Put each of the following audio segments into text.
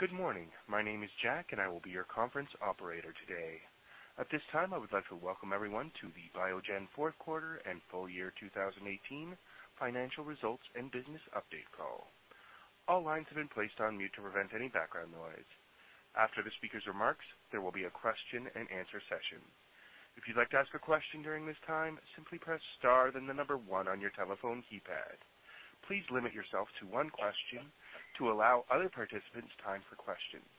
Good morning. My name is Jack and I will be your conference operator today. At this time, I would like to welcome everyone to the Biogen fourth quarter and Full Year 2018 financial results and business update call. All lines have been placed on mute to prevent any background noise. After the speaker's remarks, there will be a question and answer session. If you'd like to ask a question during this time, simply press star then the number one on your telephone keypad. Please limit yourself to one question to allow other participants time for questions.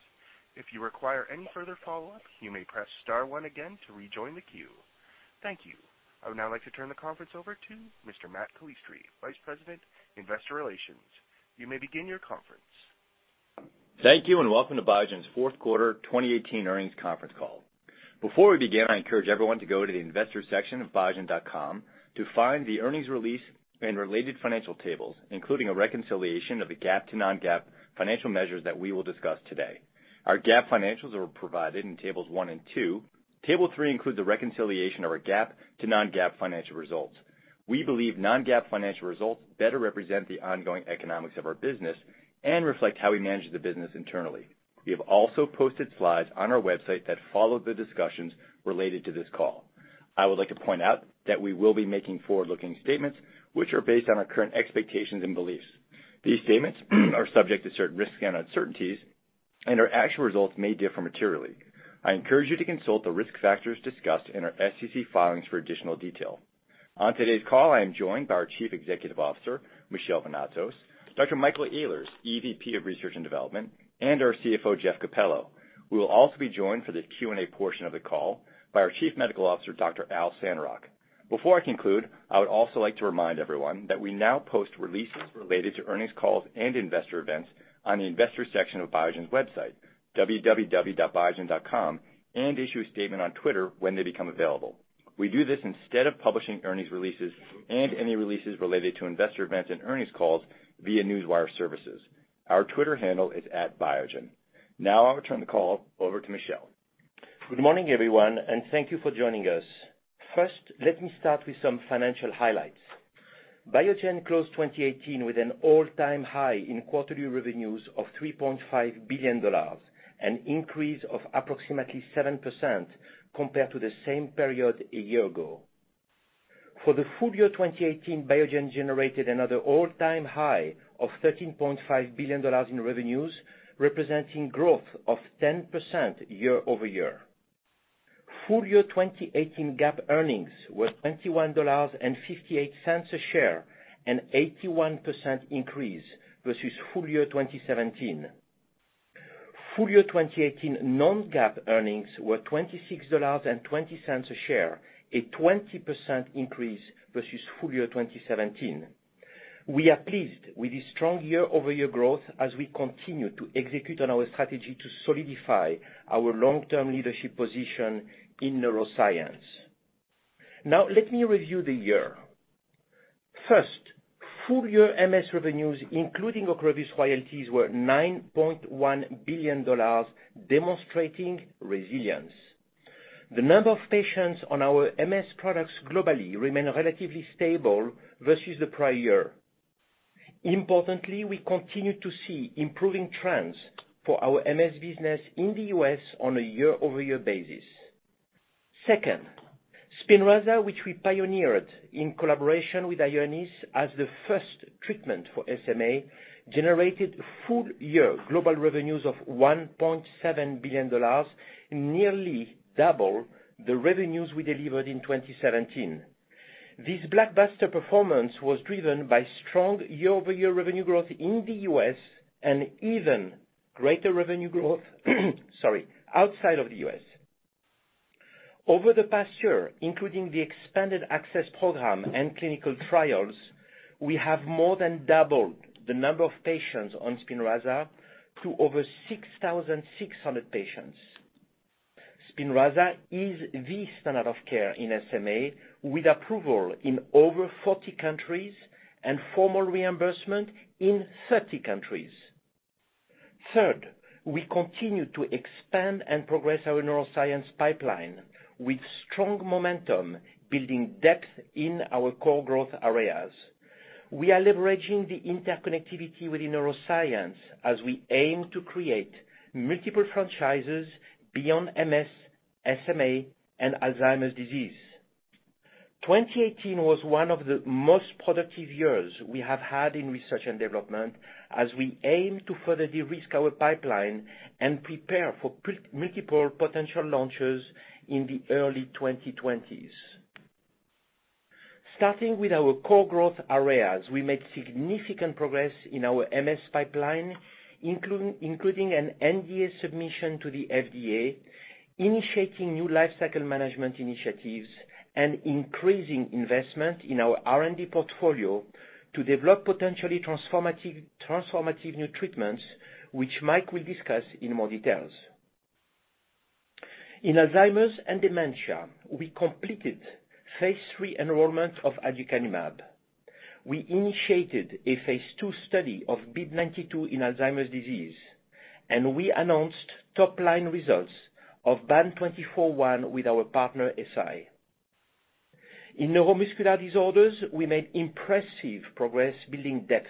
If you require any further follow-up, you may press star one again to rejoin the queue. Thank you. I would now like to turn the conference over to Mr. Matt Calistri, Vice President, Investor Relations. You may begin your conference. Thank you and welcome to Biogen's fourth quarter 2018 earnings conference call. Before we begin, I encourage everyone to go to the investor section of biogen.com to find the earnings release and related financial tables, including a reconciliation of the GAAP to non-GAAP financial measures that we will discuss today. Our GAAP financials are provided in tables one and two. Table three includes a reconciliation of our GAAP to non-GAAP financial results. We believe non-GAAP financial results better represent the ongoing economics of our business and reflect how we manage the business internally. We have also posted slides on our website that follow the discussions related to this call. I would like to point out that we will be making forward-looking statements, which are based on our current expectations and beliefs. These statements are subject to certain risks and uncertainties, and our actual results may differ materially. I encourage you to consult the risk factors discussed in our SEC filings for additional detail. On today's call, I am joined by our Chief Executive Officer, Michel Vounatsos, Dr. Michael Ehlers, EVP of Research and Development, and our CFO, Jeff Capello. We will also be joined for the Q&A portion of the call by our Chief Medical Officer, Dr. Al Sandrock. Before I conclude, I would also like to remind everyone that we now post releases related to earnings calls and investor events on the investor section of Biogen's website, www.biogen.com, and issue a statement on Twitter when they become available. We do this instead of publishing earnings releases and any releases related to investor events and earnings calls via Newswire services. Our Twitter handle is @Biogen. I'll turn the call over to Michel. Good morning, everyone, and thank you for joining us. First, let me start with some financial highlights. Biogen closed 2018 with an all-time high in quarterly revenues of $3.5 billion, an increase of approximately 7% compared to the same period a year ago. For the Full Year 2018, Biogen generated another all-time high of $13.5 billion in revenues, representing growth of 10% year-over-year. Full Year 2018 GAAP earnings were $21.58 a share, an 81% increase versus Full Year 2017. Full Year 2018 non-GAAP earnings were $26.20 a share, a 20% increase versus Full Year 2017. We are pleased with this strong year-over-year growth as we continue to execute on our strategy to solidify our long-term leadership position in neuroscience. Let me review the year. First, full year MS revenues, including OCREVUS royalties, were $9.1 billion, demonstrating resilience. The number of patients on our MS products globally remain relatively stable versus the prior year. Importantly, we continue to see improving trends for our MS business in the U.S. on a year-over-year basis. Second, SPINRAZA, which we pioneered in collaboration with Ionis as the first treatment for SMA, generated full year global revenues of $1.7 billion, nearly double the revenues we delivered in 2017. This blockbuster performance was driven by strong year-over-year revenue growth in the U.S. and even greater revenue growth sorry, outside of the U.S. Over the past year, including the expanded access program and clinical trials, we have more than doubled the number of patients on SPINRAZA to over 6,600 patients. SPINRAZA is the standard of care in SMA, with approval in over 40 countries and formal reimbursement in 30 countries. Third, we continue to expand and progress our neuroscience pipeline with strong momentum building depth in our core growth areas. We are leveraging the interconnectivity within neuroscience as we aim to create multiple franchises beyond MS, SMA, and Alzheimer's disease. 2018 was one of the most productive years we have had in research and development as we aim to further de-risk our pipeline and prepare for multiple potential launches in the early 2020s. Starting with our core growth areas, we made significant progress in our MS pipeline, including an NDA submission to the FDA, initiating new lifecycle management initiatives, and increasing investment in our R&D portfolio to develop potentially transformative new treatments, which Mike will discuss in more details. In Alzheimer's and dementia, we completed phase III enrollment of aducanumab. We initiated a phase II study of BIIB092 in Alzheimer's disease. We announced top-line results of BAN2401 with our partner, Eisai. In neuromuscular disorders, we made impressive progress building depth.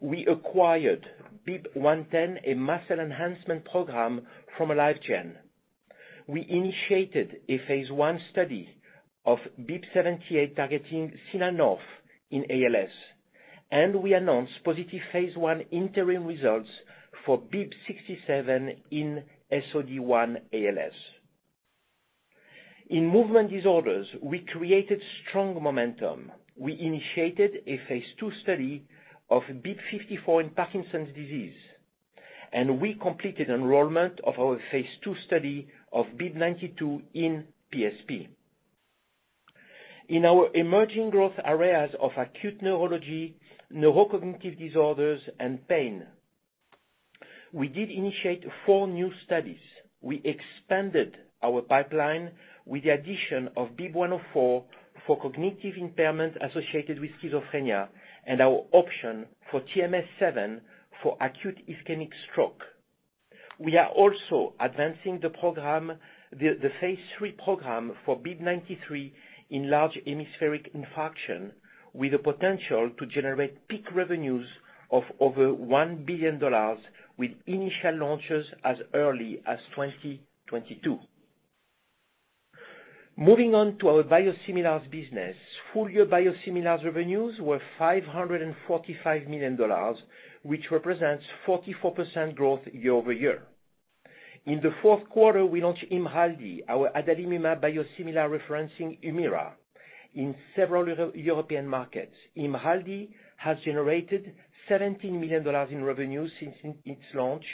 We acquired BIIB110, a muscle enhancement program, from AliveGen. We initiated a phase I study of BIIB078 targeting C9orf72 in ALS. We announced positive phase I interim results for BIIB067 in SOD1 ALS. In movement disorders, we created strong momentum. We initiated a phase II study of BIIB054 in Parkinson's disease. We completed enrollment of our phase II study of BIIB092 in PSP. In our emerging growth areas of acute neurology, neurocognitive disorders, and pain, we did initiate four new studies. We expanded our pipeline with the addition of BIIB104 for cognitive impairment associated with schizophrenia and our option for TMS-007 for acute ischemic stroke. We are also advancing the phase III program for BIIB093 in large hemispheric infarction, with the potential to generate peak revenues of over $1 billion with initial launches as early as 2022. Moving on to our biosimilars business. Full-year biosimilars revenues were $545 million, which represents 44% growth year-over-year. In the fourth quarter, we launched IMRALDI, our adalimumab biosimilar referencing Humira in several European markets. IMRALDI has generated $17 million in revenue since its launch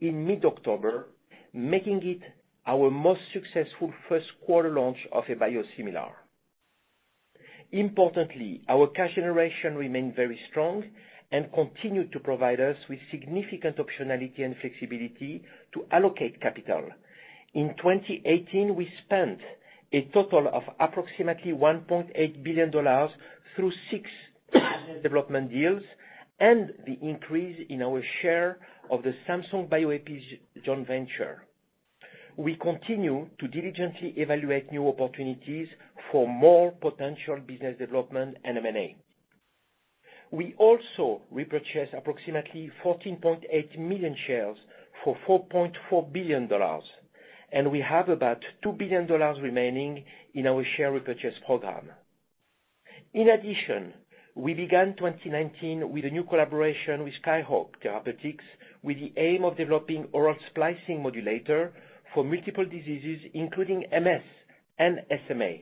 in mid-October, making it our most successful first quarter launch of a biosimilar. Importantly, our cash generation remained very strong and continued to provide us with significant optionality and flexibility to allocate capital. In 2018, we spent a total of approximately $1.8 billion through six business development deals and the increase in our share of the Samsung Bioepis joint venture. We continue to diligently evaluate new opportunities for more potential business development and M&A. We also repurchased approximately 14.8 million shares for $4.4 billion, and we have about $2 billion remaining in our share repurchase program. In addition, we began 2019 with a new collaboration with Skyhawk Therapeutics with the aim of developing oral splicing modulator for multiple diseases, including MS and SMA.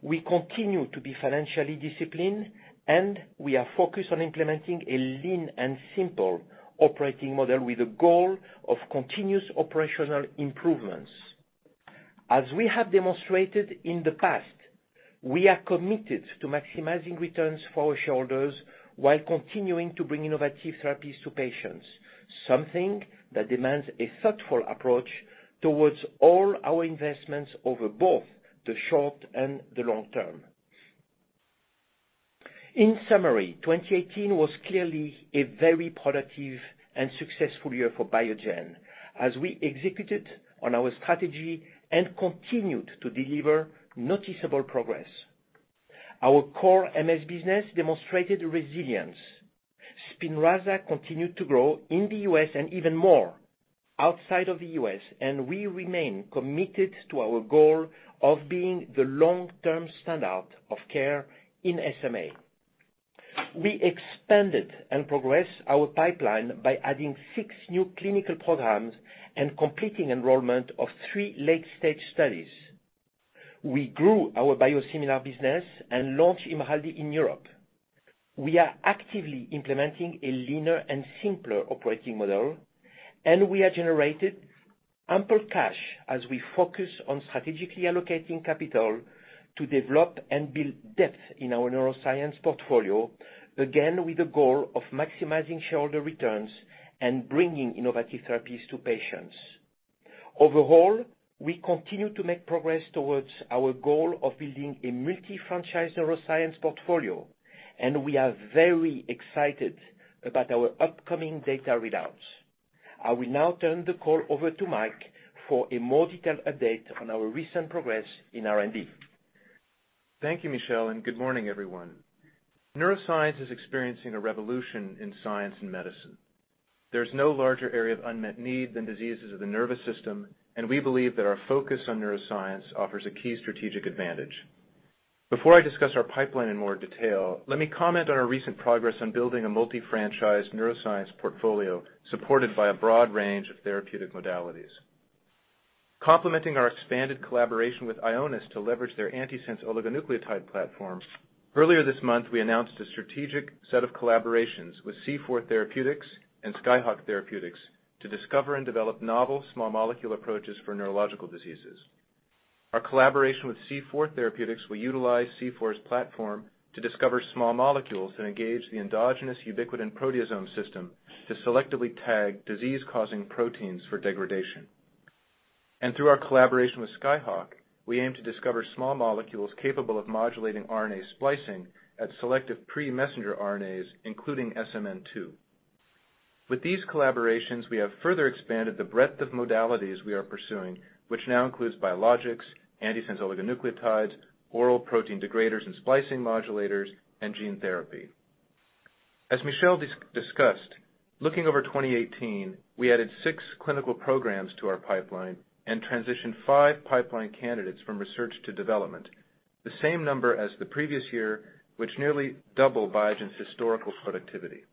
We continue to be financially disciplined, and we are focused on implementing a lean and simple operating model with the goal of continuous operational improvements. As we have demonstrated in the past, we are committed to maximizing returns for our shareholders while continuing to bring innovative therapies to patients, something that demands a thoughtful approach towards all our investments over both the short and the long term. In summary, 2018 was clearly a very productive and successful year for Biogen as we executed on our strategy and continued to deliver noticeable progress. Our core MS business demonstrated resilience. Spinraza continued to grow in the U.S. and even more outside of the U.S. We remain committed to our goal of being the long-term standard of care in SMA. We expanded and progressed our pipeline by adding six new clinical programs and completing enrollment of three late-stage studies. We grew our biosimilar business and launched Imraldi in Europe. We are actively implementing a leaner and simpler operating model. We have generated ample cash as we focus on strategically allocating capital to develop and build depth in our neuroscience portfolio, again with the goal of maximizing shareholder returns and bringing innovative therapies to patients. Overall, we continue to make progress towards our goal of building a multi-franchise neuroscience portfolio, and we are very excited about our upcoming data readouts. I will now turn the call over to Mike for a more detailed update on our recent progress in R&D. Thank you, Michel. Good morning, everyone. Neuroscience is experiencing a revolution in science and medicine. There's no larger area of unmet need than diseases of the nervous system. We believe that our focus on neuroscience offers a key strategic advantage. Before I discuss our pipeline in more detail, let me comment on our recent progress on building a multi-franchise neuroscience portfolio supported by a broad range of therapeutic modalities. Complementing our expanded collaboration with Ionis to leverage their antisense oligonucleotide platform, earlier this month, we announced a strategic set of collaborations with C4 Therapeutics and Skyhawk Therapeutics to discover and develop novel small molecule approaches for neurological diseases. Our collaboration with C4 Therapeutics will utilize C4's platform to discover small molecules that engage the endogenous ubiquitin proteasome system to selectively tag disease-causing proteins for degradation. Through our collaboration with Skyhawk Therapeutics, we aim to discover small molecules capable of modulating RNA splicing at selective pre-messenger RNAs, including SMN2. With these collaborations, we have further expanded the breadth of modalities we are pursuing, which now includes biologics, antisense oligonucleotides, oral protein degraders and splicing modulators, and gene therapy. As Michel discussed, looking over 2018, we added six clinical programs to our pipeline and transitioned five pipeline candidates from research to development. The same number as the previous year, which nearly double Biogen's historical productivity.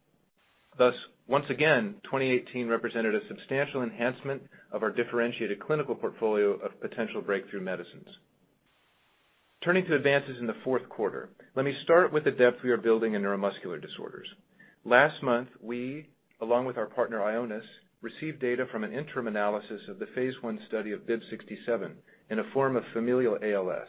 Thus, once again, 2018 represented a substantial enhancement of our differentiated clinical portfolio of potential breakthrough medicines. Turning to advances in the fourth quarter, let me start with the depth we are building in neuromuscular disorders. Last month, we, along with our partner Ionis Pharmaceuticals, received data from an interim analysis of the phase I study of BIIB067 in a form of familial ALS.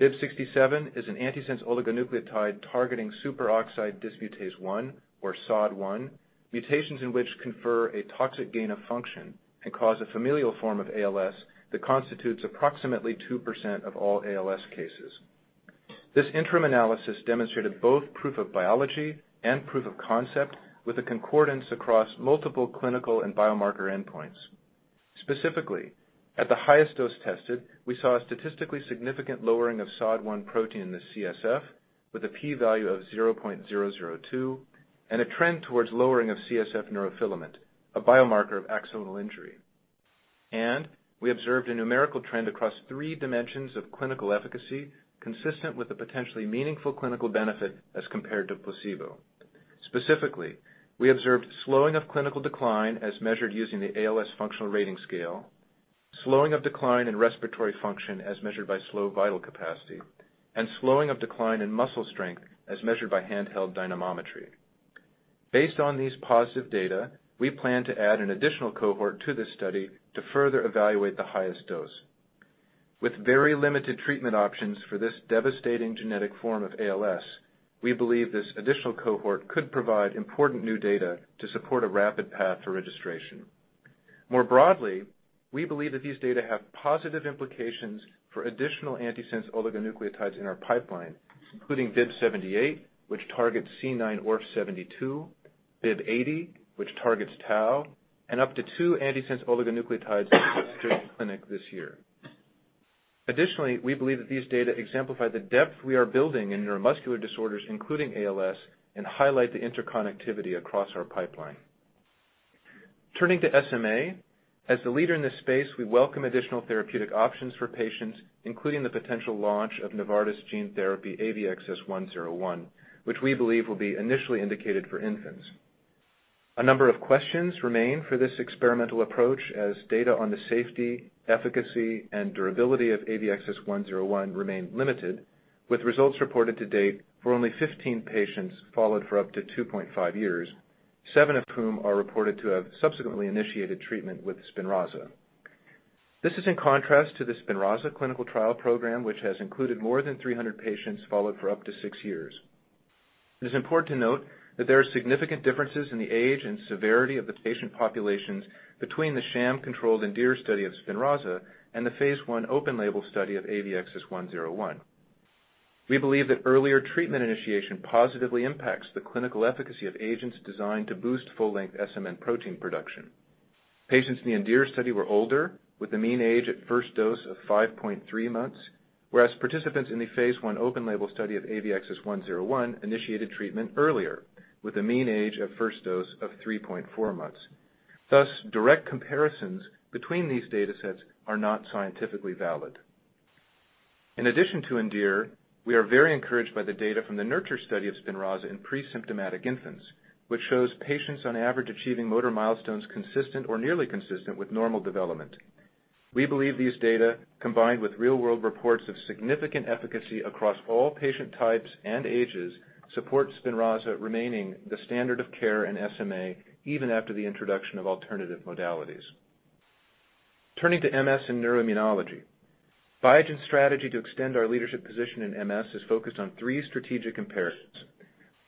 BIIB067 is an antisense oligonucleotide targeting superoxide dismutase 1, or SOD1, mutations in which confer a toxic gain of function and cause a familial form of ALS that constitutes approximately 2% of all ALS cases. This interim analysis demonstrated both proof of biology and proof of concept with a concordance across multiple clinical and biomarker endpoints. Specifically, at the highest dose tested, we saw a statistically significant lowering of SOD1 protein in the CSF with a p-value of 0.002 and a trend towards lowering of CSF neurofilament, a biomarker of axonal injury. We observed a numerical trend across three dimensions of clinical efficacy, consistent with a potentially meaningful clinical benefit as compared to placebo. Specifically, we observed slowing of clinical decline as measured using the ALS functional rating scale, slowing of decline in respiratory function as measured by slow vital capacity, and slowing of decline in muscle strength as measured by handheld dynamometry. Based on these positive data, we plan to add an additional cohort to this study to further evaluate the highest dose. With very limited treatment options for this devastating genetic form of ALS, we believe this additional cohort could provide important new data to support a rapid path to registration. More broadly, we believe that these data have positive implications for additional antisense oligonucleotides in our pipeline, including BIIB078, which targets C9orf72, BIIB080, which targets tau, and up to two antisense oligonucleotides entering clinic this year. Additionally, we believe that these data exemplify the depth we are building in neuromuscular disorders, including ALS, and highlight the interconnectivity across our pipeline. Turning to SMA. As the leader in this space, we welcome additional therapeutic options for patients, including the potential launch of Novartis gene therapy, AVXS-101, which we believe will be initially indicated for infants. A number of questions remain for this experimental approach, as data on the safety, efficacy, and durability of AVXS-101 remain limited, with results reported to date for only 15 patients followed for up to 2.5 years, seven of whom are reported to have subsequently initiated treatment with SPINRAZA. This is in contrast to the SPINRAZA clinical trial program, which has included more than 300 patients followed for up to six years. It is important to note that there are significant differences in the age and severity of the patient populations between the sham-controlled ENDEAR study of SPINRAZA and the phase I open label study of AVXS-101. We believe that earlier treatment initiation positively impacts the clinical efficacy of agents designed to boost full-length SMN protein production. Patients in the ENDEAR study were older, with a mean age at first dose of 5.3 months, whereas participants in the phase I open label study of AVXS-101 initiated treatment earlier, with a mean age of first dose of 3.4 months. Thus, direct comparisons between these data sets are not scientifically valid. In addition to ENDEAR, we are very encouraged by the data from the NURTURE study of SPINRAZA in pre-symptomatic infants, which shows patients on average achieving motor milestones consistent or nearly consistent with normal development. We believe these data, combined with real-world reports of significant efficacy across all patient types and ages, support SPINRAZA remaining the standard of care in SMA even after the introduction of alternative modalities. Turning to MS and neuroimmunology. Biogen's strategy to extend our leadership position in MS is focused on three strategic imperatives.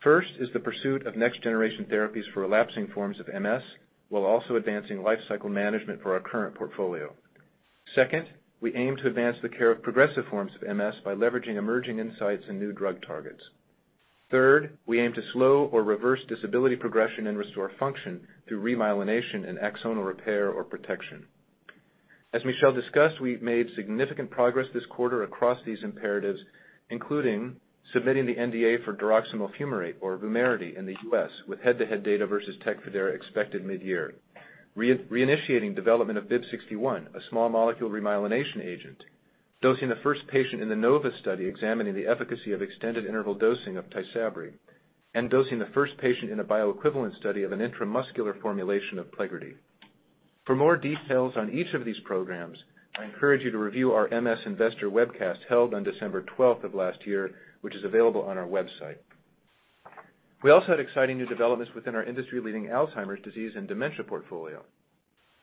First is the pursuit of next generation therapies for relapsing forms of MS, while also advancing life cycle management for our current portfolio. Second, we aim to advance the care of progressive forms of MS by leveraging emerging insights and new drug targets. Third, we aim to slow or reverse disability progression and restore function through remyelination and axonal repair or protection. As Michel discussed, we've made significant progress this quarter across these imperatives, including submitting the NDA for diroximel fumarate or VUMERITY in the U.S. with head-to-head data versus TECFIDERA expected mid-year. Reinitiating development of BIIB061, a small molecule remyelination agent. Dosing the first patient in the NOVA study examining the efficacy of extended interval dosing of TYSABRI. Dosing the first patient in a bioequivalent study of an intramuscular formulation of PLEGRIDY. For more details on each of these programs, I encourage you to review our MS investor webcast held on December 12th of last year, which is available on our website. We also had exciting new developments within our industry-leading Alzheimer's disease and dementia portfolio.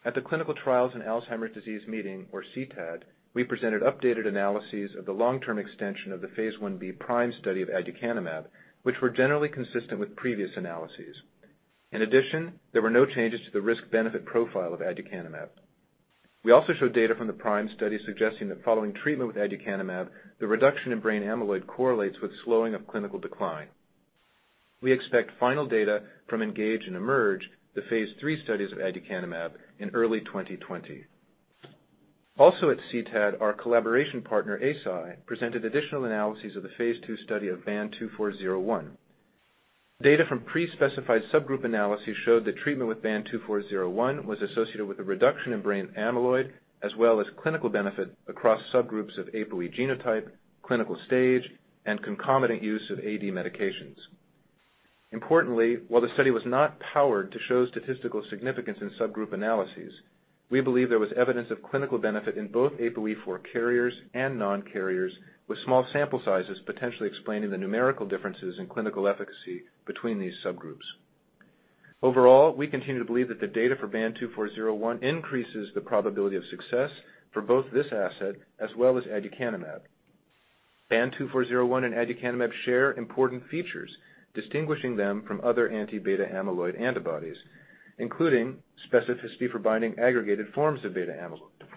At the Clinical Trials in Alzheimer's Disease meeting, or CTAD, we presented updated analyses of the long-term extension of the phase I-B PRIME study of aducanumab, which were generally consistent with previous analyses. In addition, there were no changes to the risk-benefit profile of aducanumab. We also showed data from the PRIME study suggesting that following treatment with aducanumab, the reduction in brain amyloid correlates with slowing of clinical decline. We expect final data from ENGAGE and EMERGE, the phase III studies of aducanumab, in early 2020. Also at CTAD, our collaboration partner, Eisai, presented additional analyses of the phase II study of BAN2401. Data from pre-specified subgroup analyses showed that treatment with BAN2401 was associated with a reduction in brain amyloid, as well as clinical benefit across subgroups of APOE genotype, clinical stage, and concomitant use of AD medications. Importantly, while the study was not powered to show statistical significance in subgroup analyses, we believe there was evidence of clinical benefit in both APOE4 carriers and non-carriers with small sample sizes potentially explaining the numerical differences in clinical efficacy between these subgroups. Overall, we continue to believe that the data for BAN2401 increases the probability of success for both this asset as well as aducanumab. BAN2401 and aducanumab share important features distinguishing them from other anti-beta amyloid antibodies, including specificity for binding aggregated forms of beta amyloid.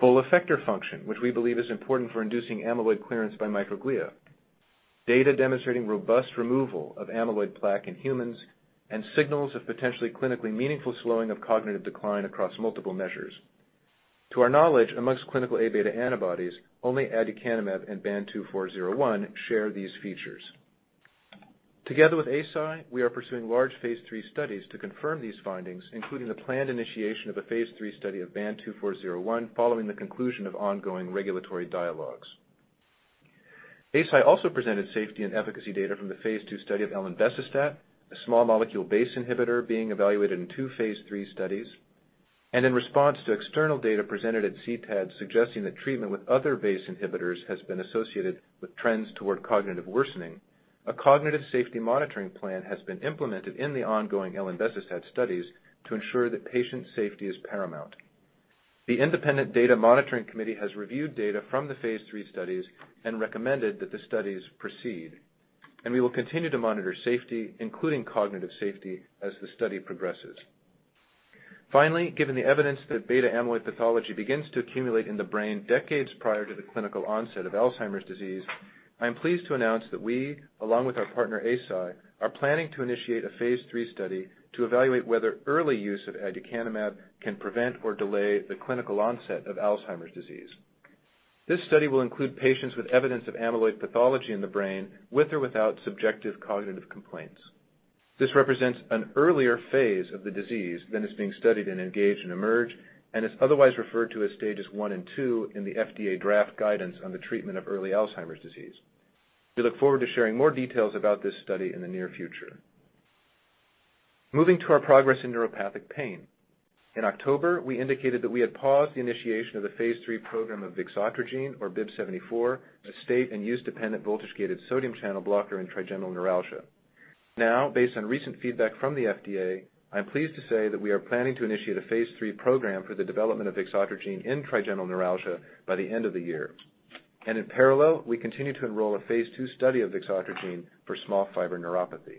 Full effector function, which we believe is important for inducing amyloid clearance by microglia. Data demonstrating robust removal of amyloid plaque in humans, signals of potentially clinically meaningful slowing of cognitive decline across multiple measures. To our knowledge, amongst clinical A-beta antibodies, only aducanumab and BAN2401 share these features. Together with Eisai, we are pursuing large phase III studies to confirm these findings, including the planned initiation of a phase III study of BAN2401 following the conclusion of ongoing regulatory dialogues. Eisai also presented safety and efficacy data from the phase II study of elamipretasir, a small molecule BACE inhibitor being evaluated in two phase III studies. In response to external data presented at CTAD suggesting that treatment with other BACE inhibitors has been associated with trends toward cognitive worsening, a cognitive safety monitoring plan has been implemented in the ongoing elamipretasir studies to ensure that patient safety is paramount. The independent data monitoring committee has reviewed data from the phase III studies and recommended that the studies proceed. We will continue to monitor safety, including cognitive safety, as the study progresses. Finally, given the evidence that amyloid beta pathology begins to accumulate in the brain decades prior to the clinical onset of Alzheimer's disease, I am pleased to announce that we, along with our partner, Eisai, are planning to initiate a phase III study to evaluate whether early use of aducanumab can prevent or delay the clinical onset of Alzheimer's disease. This study will include patients with evidence of amyloid pathology in the brain, with or without subjective cognitive complaints. This represents an earlier phase of the disease than is being studied in ENGAGE and EMERGE, and is otherwise referred to as Stages 1 and 2 in the FDA draft guidance on the treatment of early Alzheimer's disease. We look forward to sharing more details about this study in the near future. Moving to our progress in neuropathic pain. In October, we indicated that we had paused the initiation of the phase III program of vixotrigine, or BIIB074, a state and use dependent voltage-gated sodium channel blocker in trigeminal neuralgia. Based on recent feedback from the FDA, I'm pleased to say that we are planning to initiate a phase III program for the development of vixotrigine in trigeminal neuralgia by the end of the year. In parallel, we continue to enroll a phase II study of vixotrigine for small fiber neuropathy.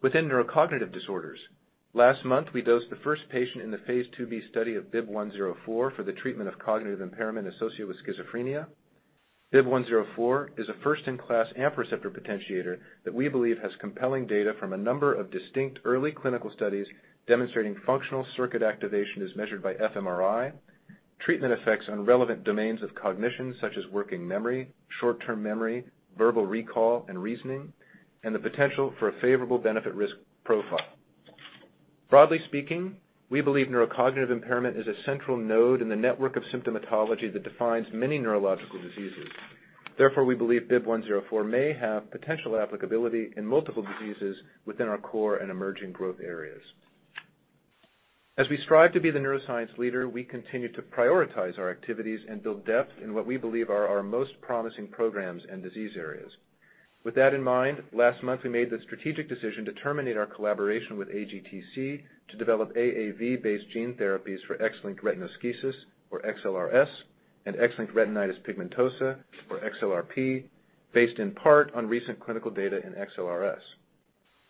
Within neurocognitive disorders, last month we dosed the first patient in the phase II-B study of BIIB104 for the treatment of cognitive impairment associated with schizophrenia. BIIB104 is a first-in-class AMPA receptor potentiator that we believe has compelling data from a number of distinct early clinical studies demonstrating functional circuit activation as measured by fMRI. Treatment effects on relevant domains of cognition, such as working memory, short-term memory, verbal recall, and reasoning, and the potential for a favorable benefit-risk profile. Broadly speaking, we believe neurocognitive impairment is a central node in the network of symptomatology that defines many neurological diseases. Therefore, we believe BIIB104 may have potential applicability in multiple diseases within our core and emerging growth areas. As we strive to be the neuroscience leader, we continue to prioritize our activities and build depth in what we believe are our most promising programs and disease areas. With that in mind, last month we made the strategic decision to terminate our collaboration with AGTC to develop AAV-based gene therapies for X-linked retinoschisis, or XLRS, and X-linked retinitis pigmentosa, or XLRP, based in part on recent clinical data in XLRS.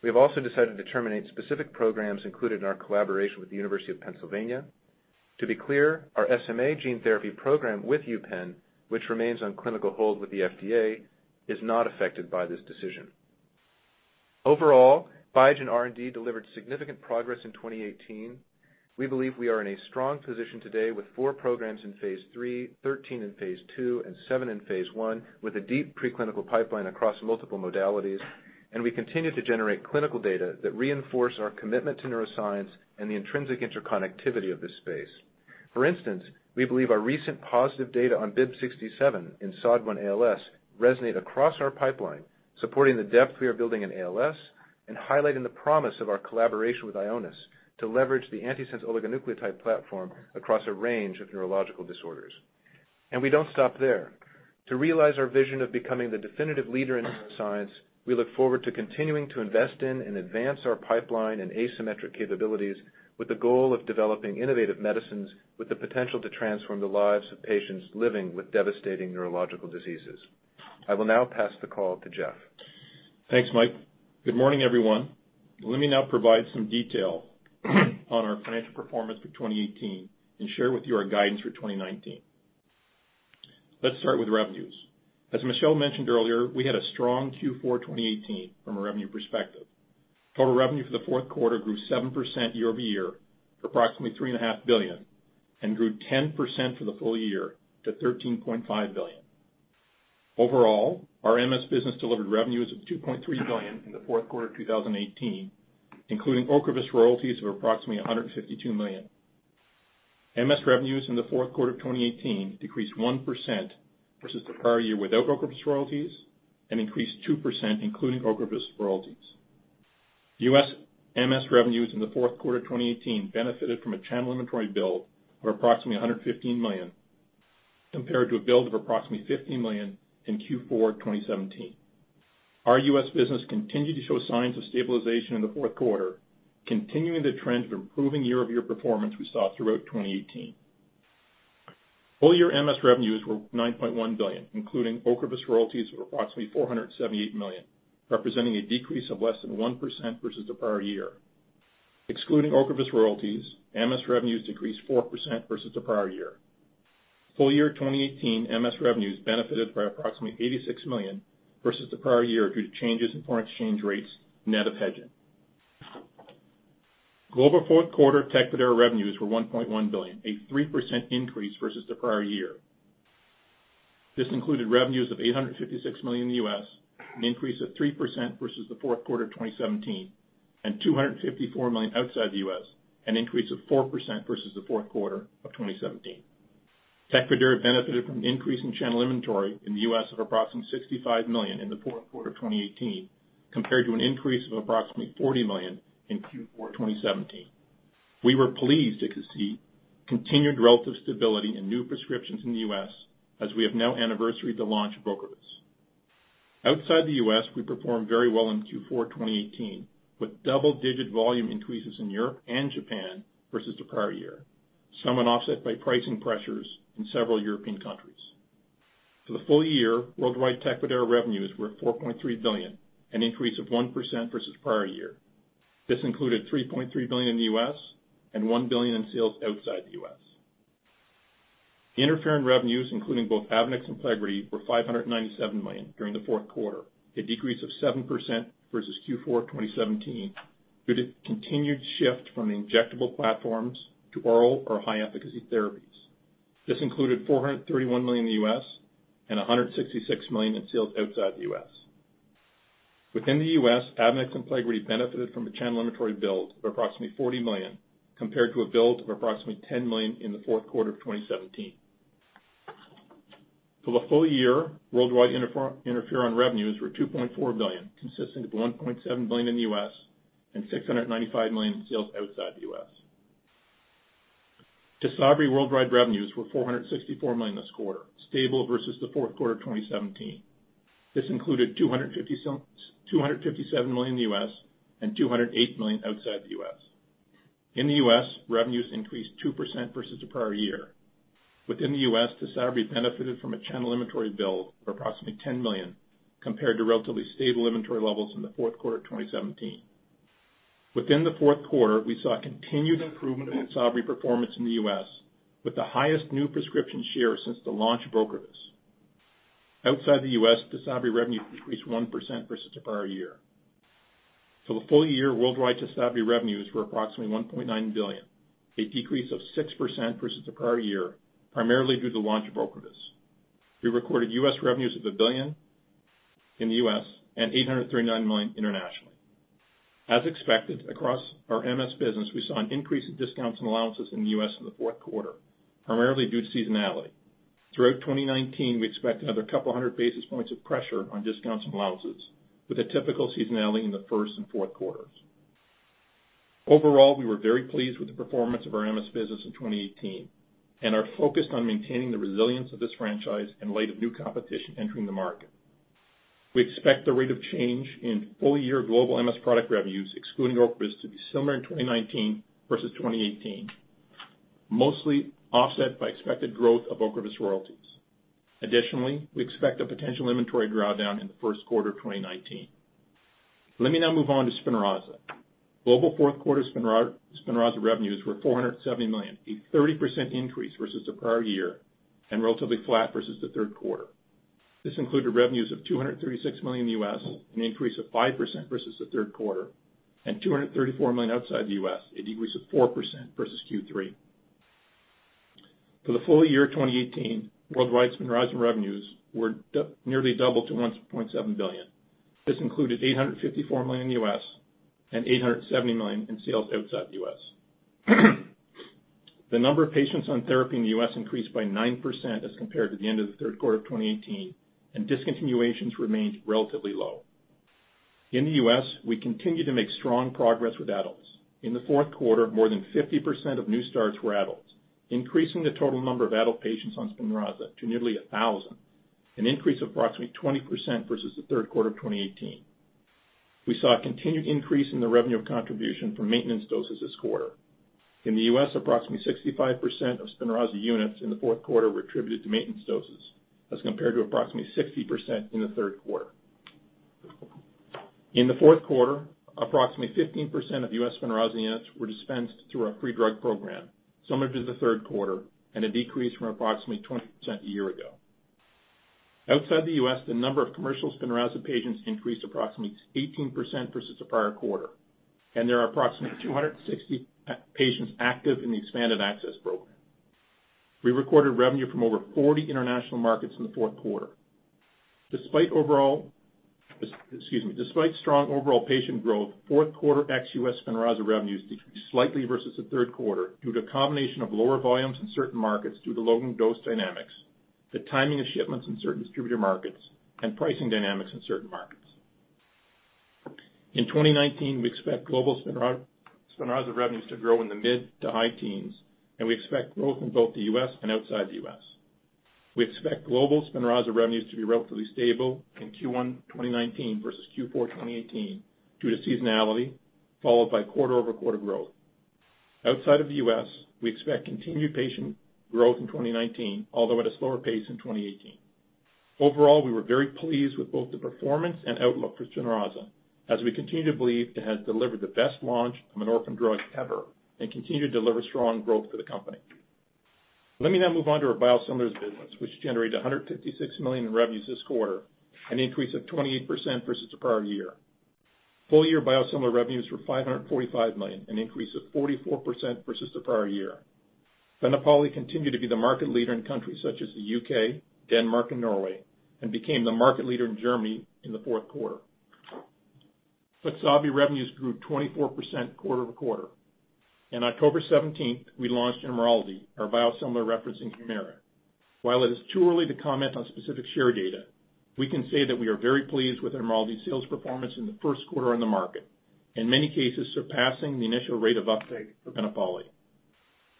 We have also decided to terminate specific programs included in our collaboration with the University of Pennsylvania. To be clear, our SMA gene therapy program with UPenn, which remains on clinical hold with the FDA, is not affected by this decision. Overall, Biogen R&D delivered significant progress in 2018. We believe we are in a strong position today with four programs in phase III, 13 in phase II, and seven in phase I, with a deep preclinical pipeline across multiple modalities. We continue to generate clinical data that reinforce our commitment to neuroscience and the intrinsic interconnectivity of this space. For instance, we believe our recent positive data on BIIB067 in SOD1 ALS resonate across our pipeline, supporting the depth we are building in ALS and highlighting the promise of our collaboration with Ionis to leverage the antisense oligonucleotide platform across a range of neurological disorders. We don't stop there. To realize our vision of becoming the definitive leader in neuroscience, we look forward to continuing to invest in and advance our pipeline and asymmetric capabilities with the goal of developing innovative medicines with the potential to transform the lives of patients living with devastating neurological diseases. I will now pass the call to Jeff. Thanks, Mike. Good morning, everyone. Let me now provide some detail on our financial performance for 2018 and share with you our guidance for 2019. Let's start with revenues. As Michel mentioned earlier, we had a strong Q4 2018 from a revenue perspective. Total revenue for the fourth quarter grew 7% year-over-year to approximately $3.5 billion, and grew 10% for the full year to $13.5 billion. Overall, our MS business delivered revenues of $2.3 billion in the fourth quarter of 2018, including OCREVUS royalties of approximately $152 million. MS revenues in the fourth quarter of 2018 decreased 1% versus the prior year without OCREVUS royalties and increased 2% including OCREVUS royalties. U.S. MS revenues in the fourth quarter of 2018 benefited from a channel inventory build of approximately $115 million, compared to a build of approximately $50 million in Q4 2017. Our U.S. business continued to show signs of stabilization in the fourth quarter, continuing the trend of improving year-over-year performance we saw throughout 2018. Full year MS revenues were $9.1 billion, including OCREVUS royalties of approximately $478 million, representing a decrease of less than 1% versus the prior year. Excluding OCREVUS royalties, MS revenues decreased 4% versus the prior year. Full Year 2018 MS revenues benefited by approximately $86 million versus the prior year due to changes in foreign exchange rates, net of hedging. Global fourth quarter TECFIDERA revenues were $1.1 billion, a 3% increase versus the prior year. This included revenues of $856 million in the U.S., an increase of 3% versus the fourth quarter of 2017, and $254 million outside the U.S., an increase of 4% versus the fourth quarter of 2017. Tecfidera benefited from an increase in channel inventory in the U.S. of approximately $65 million in the fourth quarter of 2018, compared to an increase of approximately $40 million in Q4 2017. We were pleased to see continued relative stability in new prescriptions in the U.S., as we have now anniversaried the launch of OCREVUS. Outside the U.S., we performed very well in Q4 2018, with double-digit volume increases in Europe and Japan versus the prior year, somewhat offset by pricing pressures in several European countries. For the full year, worldwide Tecfidera revenues were $4.3 billion, an increase of 1% versus prior year. This included $3.3 billion in the U.S. and $1 billion in sales outside the U.S. Interferon revenues, including both AVONEX and PLEGRIDY, were $597 million during the fourth quarter, a decrease of 7% versus Q4 2017, due to the continued shift from injectable platforms to oral or high-efficacy therapies. This included $431 million in the U.S. and $166 million in sales outside the U.S. Within the U.S., AVONEX and PLEGRIDY benefited from a channel inventory build of approximately $40 million compared to a build of approximately $10 million in the fourth quarter of 2017. For the full year, worldwide interferon revenues were $2.4 billion, consisting of $1.7 billion in the U.S. and $695 million in sales outside the U.S. TYSABRI worldwide revenues were $464 million this quarter, stable versus the fourth quarter of 2017. This included $257 million in the U.S. and $208 million outside the U.S. In the U.S., revenues increased 2% versus the prior year. Within the U.S., TYSABRI benefited from a channel inventory build of approximately $10 million, compared to relatively stable inventory levels in the fourth quarter of 2017. Within the fourth quarter, we saw continued improvement in TYSABRI performance in the U.S., with the highest new prescription share since the launch of OCREVUS. Outside the U.S., TYSABRI revenue decreased 1% versus the prior year. For the full year, worldwide TYSABRI revenues were approximately $1.9 billion, a decrease of 6% versus the prior year, primarily due to the launch of OCREVUS. We recorded U.S. revenues of $1 billion in the U.S. and $839 million internationally. As expected, across our MS business, we saw an increase in discounts and allowances in the U.S. in the fourth quarter, primarily due to seasonality. Throughout 2019, we expect another couple of hundred basis points of pressure on discounts and allowances, with a typical seasonality in the first and fourth quarters. Overall, we were very pleased with the performance of our MS business in 2018 and are focused on maintaining the resilience of this franchise in light of new competition entering the market. We expect the rate of change in full-year global MS product revenues, excluding OCREVUS, to be similar in 2019 versus 2018, mostly offset by expected growth of OCREVUS royalties. Additionally, we expect a potential inventory drawdown in the first quarter of 2019. Let me now move on to SPINRAZA. Global fourth quarter SPINRAZA revenues were $470 million, a 30% increase versus the prior year and relatively flat versus the third quarter. This included revenues of $236 million in the U.S., an increase of 5% versus the third quarter, and $234 million outside the U.S., a decrease of 4% versus Q3. For the Full Year 2018, worldwide SPINRAZA revenues were nearly double to $1.7 billion. This included $854 million in the U.S. and $870 million in sales outside the U.S. The number of patients on therapy in the U.S. increased by 9% as compared to the end of the third quarter of 2018, and discontinuations remained relatively low. In the U.S., we continue to make strong progress with adults. In the fourth quarter, more than 50% of new starts were adults, increasing the total number of adult patients on SPINRAZA to nearly 1,000, an increase of approximately 20% versus the third quarter of 2018. We saw a continued increase in the revenue contribution from maintenance doses this quarter. In the U.S., approximately 65% of SPINRAZA units in the fourth quarter were attributed to maintenance doses as compared to approximately 60% in the third quarter. In the fourth quarter, approximately 15% of U.S. SPINRAZA units were dispensed through our free drug program, similar to the third quarter, and a decrease from approximately 20% a year ago. Outside the U.S., the number of commercial SPINRAZA patients increased approximately 18% versus the prior quarter, and there are approximately 260 patients active in the expanded access program. We recorded revenue from over 40 international markets in the fourth quarter. Despite strong overall patient growth, fourth quarter ex-U.S. SPINRAZA revenues decreased slightly versus the third quarter due to a combination of lower volumes in certain markets due to loading dose dynamics, the timing of shipments in certain distributor markets, and pricing dynamics in certain markets. In 2019, we expect global SPINRAZA revenues to grow in the mid to high teens, and we expect growth in both the U.S. and outside the U.S. We expect global SPINRAZA revenues to be relatively stable in Q1 2019 versus Q4 2018 due to seasonality, followed by quarter-over-quarter growth. Outside of the U.S., we expect continued patient growth in 2019, although at a slower pace in 2018. Overall, we were very pleased with both the performance and outlook for SPINRAZA, as we continue to believe it has delivered the best launch of an orphan drug ever and continue to deliver strong growth for the company. Let me now move on to our biosimilars business, which generated $156 million in revenues this quarter, an increase of 28% versus the prior year. Full year biosimilar revenues were $545 million, an increase of 44% versus the prior year. BENEPALI continued to be the market leader in countries such as the U.K., Denmark, and Norway, and became the market leader in Germany in the fourth quarter. IMRALDI revenues grew 24% quarter-over-quarter. On October 17th, we launched IMRALDI, our biosimilar reference in Humira. While it is too early to comment on specific share data, we can say that we are very pleased with IMRALDI's sales performance in the first quarter on the market, in many cases surpassing the initial rate of uptake for BENEPALI.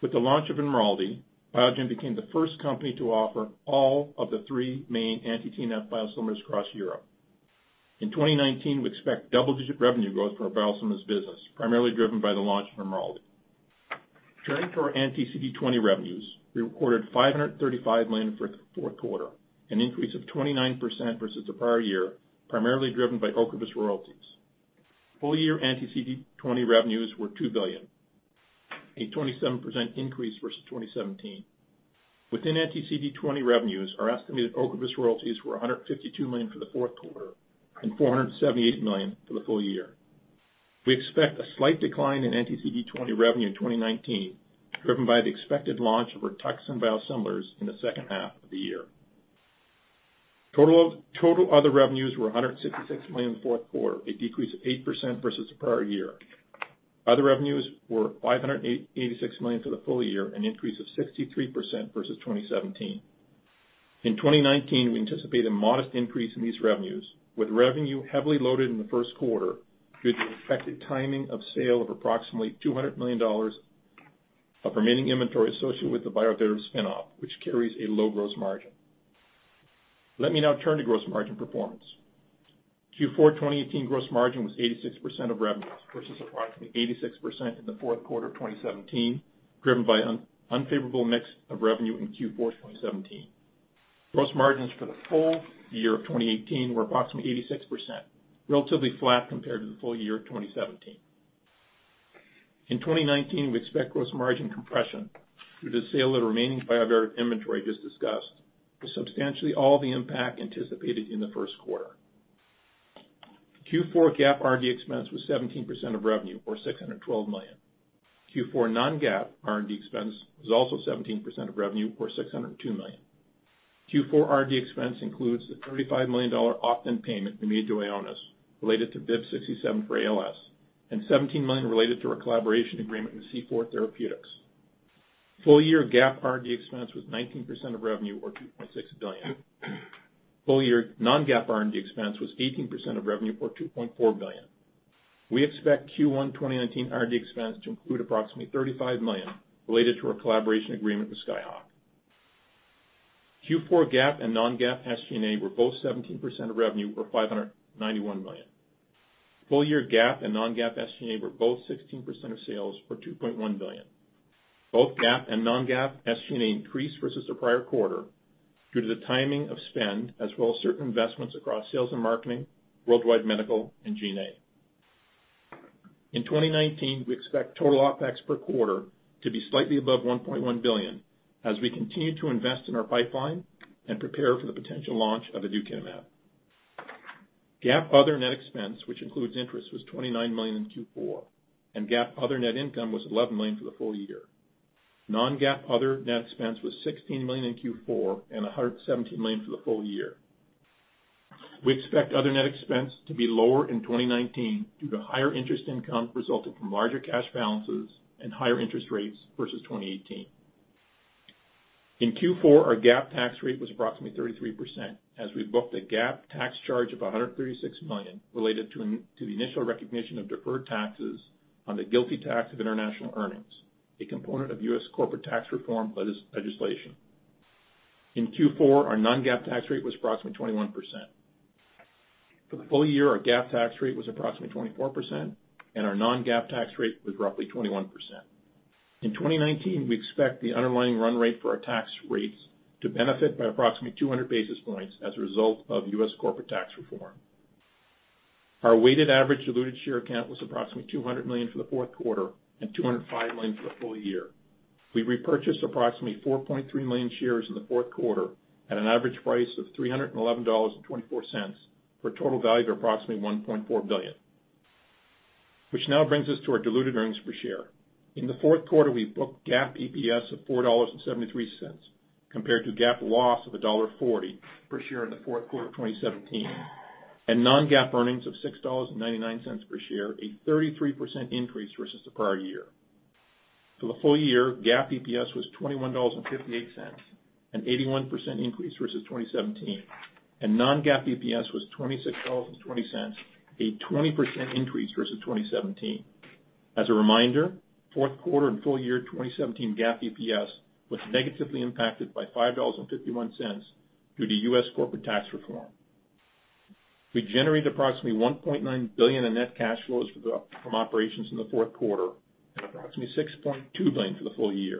With the launch of IMRALDI, Biogen became the first company to offer all of the three main anti-TNF biosimilars across Europe. In 2019, we expect double-digit revenue growth for our biosimilars business, primarily driven by the launch of IMRALDI. Turning to our anti-CD20 revenues, we recorded $535 million for the fourth quarter, an increase of 29% versus the prior year, primarily driven by OCREVUS royalties. Full year anti-CD20 revenues were $2 billion, a 27% increase versus 2017. Within anti-CD20 revenues, our estimated OCREVUS royalties were $152 million for the fourth quarter and $478 million for the full year. We expect a slight decline in anti-CD20 revenue in 2019, driven by the expected launch of RITUXAN biosimilars in the second half of the year. Total other revenues were $166 million in the fourth quarter, a decrease of 8% versus the prior year. Other revenues were $586 million for the full year, an increase of 63% versus 2017. In 2019, we anticipate a modest increase in these revenues, with revenue heavily loaded in the first quarter due to the expected timing of sale of approximately $200 million of remaining inventory associated with the BioTherapeutics spin-off, which carries a low gross margin. Let me now turn to gross margin performance. Q4 2018 gross margin was 86% of revenues, versus approximately 86% in the fourth quarter of 2017, driven by unfavorable mix of revenue in Q4 2017. Gross margins for the full year of 2018 were approximately 86%, relatively flat compared to the full year of 2017. In 2019, we expect gross margin compression due to the sale of the remaining BioTherapeutics inventory just discussed, with substantially all the impact anticipated in the first quarter. Q4 GAAP R&D expense was 17% of revenue, or $612 million. Q4 non-GAAP R&D expense was also 17% of revenue, or $602 million. Q4 R&D expense includes a $35 million opt-in payment we made to Ionis related to BIIB067 for ALS and $17 million related to our collaboration agreement with C4 Therapeutics. Full year GAAP R&D expense was 19% of revenue, or $2.6 billion. Full year non-GAAP R&D expense was 18% of revenue, or $2.4 billion. We expect Q1 2019 R&D expense to include approximately $35 million related to our collaboration agreement with Skyhawk. Q4 GAAP and non-GAAP SG&A were both 17% of revenue, or $591 million. Full year GAAP and non-GAAP SG&A were both 16% of sales, or $2.1 billion. Both GAAP and non-GAAP SG&A increased versus the prior quarter due to the timing of spend, as well as certain investments across sales and marketing, worldwide medical, and G&A. In 2019, we expect total OpEx per quarter to be slightly above $1.1 billion as we continue to invest in our pipeline and prepare for the potential launch of aducanumab. GAAP other net expense, which includes interest, was $29 million in Q4, and GAAP other net income was $11 million for the full year. Non-GAAP other net expense was $16 million in Q4 and $117 million for the full year. We expect other net expense to be lower in 2019 due to higher interest income resulting from larger cash balances and higher interest rates versus 2018. In Q4, our GAAP tax rate was approximately 33% as we booked a GAAP tax charge of $136 million related to the initial recognition of deferred taxes on the GILTI tax of international earnings, a component of U.S. corporate tax reform legislation. In Q4, our non-GAAP tax rate was approximately 21%. For the full year, our GAAP tax rate was approximately 24%, and our non-GAAP tax rate was roughly 21%. In 2019, we expect the underlying run rate for our tax rates to benefit by approximately 200 basis points as a result of U.S. corporate tax reform. Our weighted average diluted share count was approximately 200 million for the fourth quarter and 205 million for the full year. We repurchased approximately 4.3 million shares in the fourth quarter at an average price of $311.24, for a total value of approximately $1.4 billion. Now brings us to our diluted earnings per share. In the fourth quarter, we booked GAAP EPS of $4.73 compared to GAAP loss of $1.40 per share in the fourth quarter of 2017, and non-GAAP earnings of $6.99 per share, a 33% increase versus the prior year. For the full year, GAAP EPS was $21.58, an 81% increase versus 2017, and non-GAAP EPS was $26.20, a 20% increase versus 2017. As a reminder, fourth quarter and Full Year 2017 GAAP EPS was negatively impacted by $5.51 due to U.S. corporate tax reform. We generated approximately $1.9 billion in net cash flows from operations in the fourth quarter, and approximately $6.2 billion for the full year.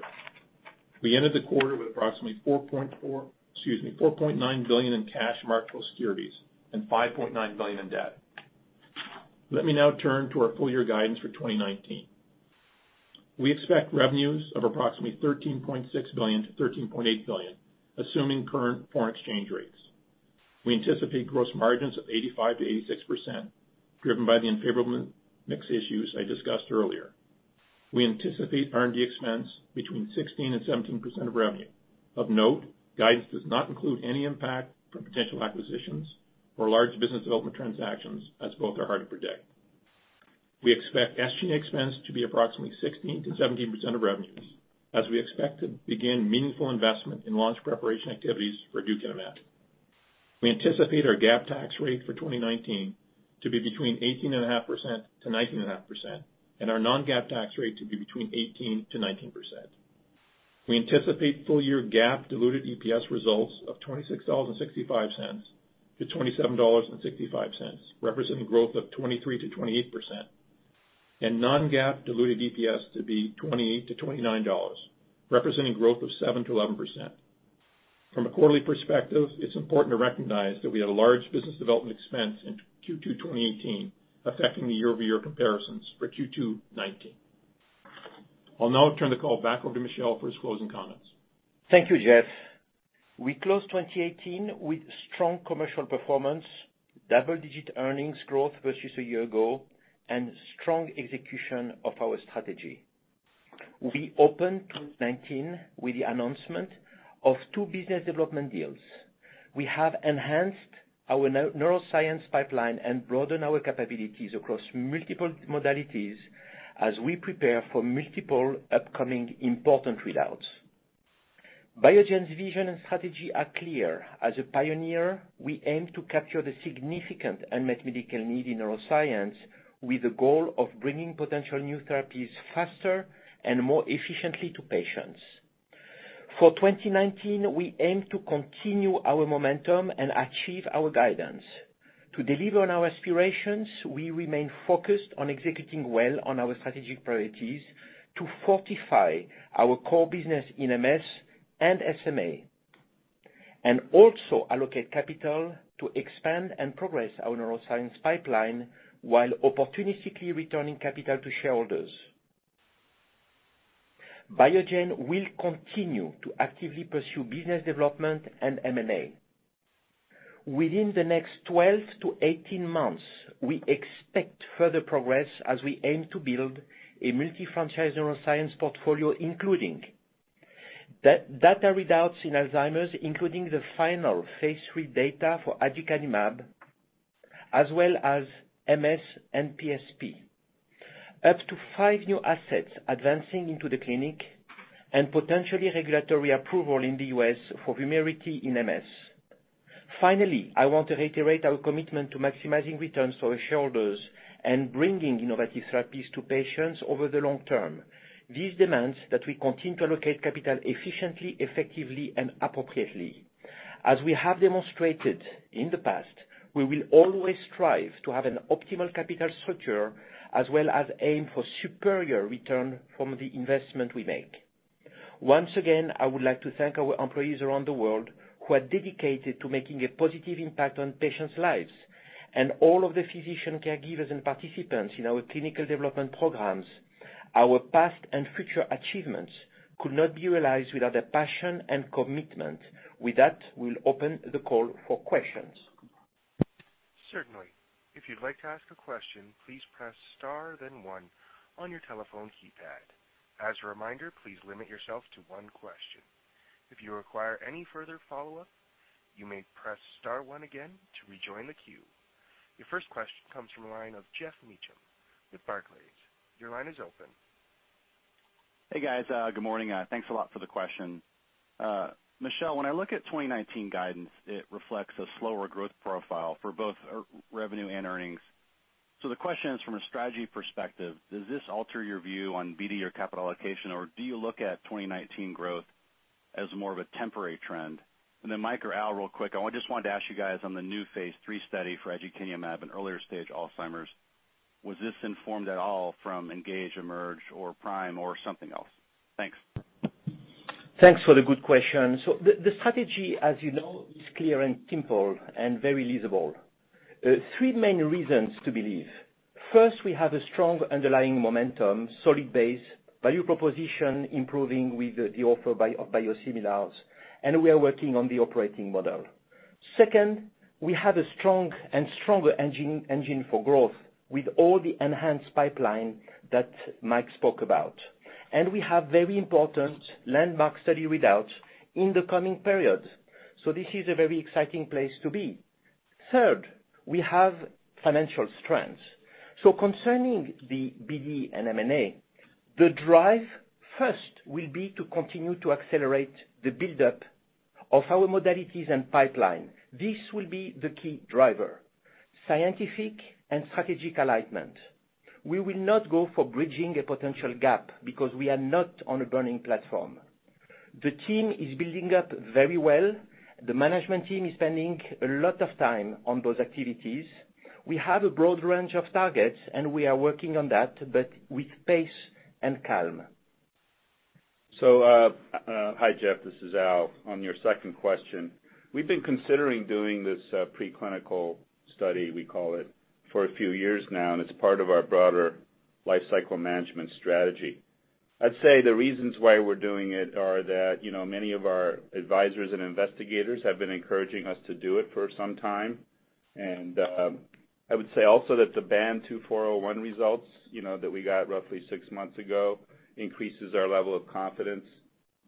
We ended the quarter with approximately $4.9 billion in cash, marketable securities, and $5.9 billion in debt. Let me now turn to our full year guidance for 2019. We expect revenues of approximately $13.6 billion-$13.8 billion, assuming current foreign exchange rates. We anticipate gross margins of 85%-86%, driven by the unfavorable mix issues I discussed earlier. We anticipate R&D expense between 16%-17% of revenue. Of note, guidance does not include any impact from potential acquisitions or large business development transactions, as both are hard to predict. We expect SG&A expense to be approximately 16%-17% of revenues, as we expect to begin meaningful investment in launch preparation activities for Aducanumab. We anticipate our GAAP tax rate for 2019 to be between 18.5%-19.5%, and our non-GAAP tax rate to be between 18%-19%. We anticipate full year GAAP diluted EPS results of $26.65-$27.65, representing growth of 23%-28%, and non-GAAP diluted EPS to be $28-$29, representing growth of 7%-11%. From a quarterly perspective, it's important to recognize that we had a large business development expense in Q2 2018 affecting the year-over-year comparisons for Q2 2019. I'll now turn the call back over to Michel for his closing comments. Thank you, Jeff. We closed 2018 with strong commercial performance, double-digit earnings growth versus a year ago, and strong execution of our strategy. We opened 2019 with the announcement of two business development deals. We have enhanced our neuroscience pipeline and broadened our capabilities across multiple modalities as we prepare for multiple upcoming important readouts. Biogen's vision and strategy are clear. As a pioneer, we aim to capture the significant unmet medical need in neuroscience with the goal of bringing potential new therapies faster and more efficiently to patients. For 2019, we aim to continue our momentum and achieve our guidance. To deliver on our aspirations, we remain focused on executing well on our strategic priorities to fortify our core business in MS and SMA, and also allocate capital to expand and progress our neuroscience pipeline while opportunistically returning capital to shareholders. Biogen will continue to actively pursue business development and M&A. Within the next 12 to 18 months, we expect further progress as we aim to build a multi-franchise neuroscience portfolio, including data readouts in Alzheimer's, including the final phase III data for aducanumab, as well as MS and PSP, up to five new assets advancing into the clinic, and potentially regulatory approval in the U.S. for VUMERITY in MS. Finally, I want to reiterate our commitment to maximizing returns for our shareholders and bringing innovative therapies to patients over the long term. This demands that we continue to allocate capital efficiently, effectively, and appropriately. As we have demonstrated in the past, we will always strive to have an optimal capital structure as well as aim for superior return from the investment we make. Once again, I would like to thank our employees around the world who are dedicated to making a positive impact on patients' lives and all of the physician caregivers and participants in our clinical development programs. Our past and future achievements could not be realized without their passion and commitment. With that, we'll open the call for questions. Certainly. If you'd like to ask a question, please press star then one on your telephone keypad. As a reminder, please limit yourself to one question. If you require any further follow-up, you may press star one again to rejoin the queue. Your first question comes from the line of Geoff Meacham with Barclays. Your line is open. Hey, guys. Good morning. Thanks a lot for the question. Michel, when I look at 2019 guidance, it reflects a slower growth profile for both revenue and earnings The question is from a strategy perspective, does this alter your view on BD or capital allocation or do you look at 2019 growth as more of a temporary trend? Then Mike or Al, real quick, I just wanted to ask you guys on the new phase III study for aducanumab in earlier stage Alzheimer's, was this informed at all from ENGAGE, EMERGE, or PRIME or something else? Thanks. Thanks for the good question. The strategy, as you know, is clear and simple and very reasonable. Three main reasons to believe. First, we have a strong underlying momentum, solid base, value proposition improving with the offer of biosimilars, and we are working on the operating model. Second, we have a strong and stronger engine for growth with all the enhanced pipeline that Mike spoke about. We have very important landmark study readouts in the coming period. This is a very exciting place to be. Third, we have financial strength. Concerning the BD and M&A, the drive first will be to continue to accelerate the build-up of our modalities and pipeline. This will be the key driver. Scientific and strategic alignment. We will not go for bridging a potential gap because we are not on a burning platform. The team is building up very well. The management team is spending a lot of time on those activities. We have a broad range of targets and we are working on that, but with pace and calm. Hi, Jeff, this is Al. On your second question. We've been considering doing this preclinical study, we call it, for a few years now, it's part of our broader life cycle management strategy. I'd say the reasons why we're doing it are that, many of our advisors and investigators have been encouraging us to do it for some time. I would say also that the BAN2401 results that we got roughly six months ago increases our level of confidence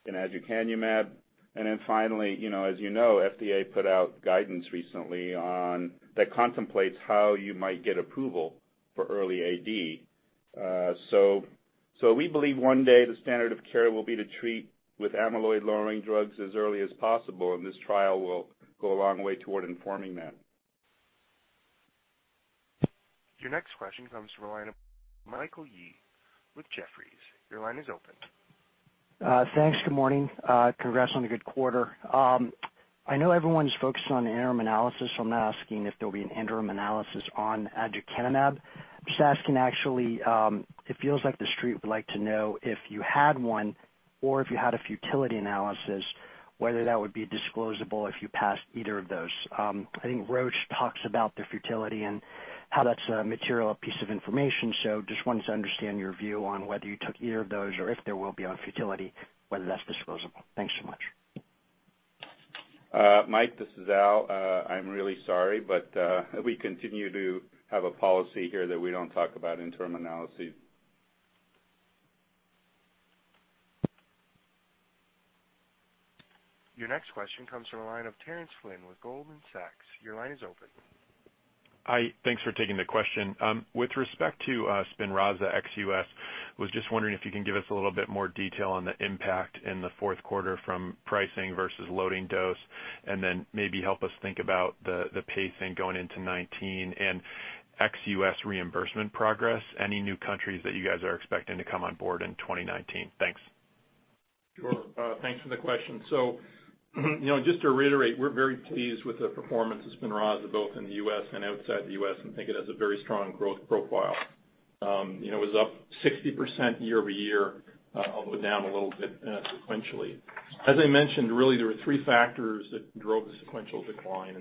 in aducanumab. Then finally as you know, FDA put out guidance recently that contemplates how you might get approval for early AD. We believe one day the standard of care will be to treat with amyloid-lowering drugs as early as possible, and this trial will go a long way toward informing that. Your next question comes from the line of Michael Yee with Jefferies. Your line is open. Thanks. Good morning. Congrats on a good quarter. I know everyone's focused on the interim analysis, so I'm not asking if there'll be an interim analysis on aducanumab. I'm just asking actually, it feels like The Street would like to know if you had one or if you had a futility analysis, whether that would be disclosable if you passed either of those. I think Roche talks about the futility and how that's a material piece of information, so just wanted to understand your view on whether you took either of those or if there will be on futility, whether that's disclosable. Thanks so much. Mike, this is Al. I'm really sorry, but, we continue to have a policy here that we don't talk about interim analyses. Your next question comes from the line of Terence Flynn with Goldman Sachs. Your line is open. Hi, thanks for taking the question. With respect to Spinraza ex-U.S., was just wondering if you can give us a little bit more detail on the impact in the fourth quarter from pricing versus loading dose, maybe help us think about the pacing going into 2019 and ex-U.S. reimbursement progress. Any new countries that you guys are expecting to come on board in 2019? Thanks. Sure. Thanks for the question. Just to reiterate, we're very pleased with the performance of Spinraza, both in the U.S. and outside the U.S., think it has a very strong growth profile. It was up 60% year-over-year, although down a little bit sequentially. As I mentioned, really, there were three factors that drove the sequential decline,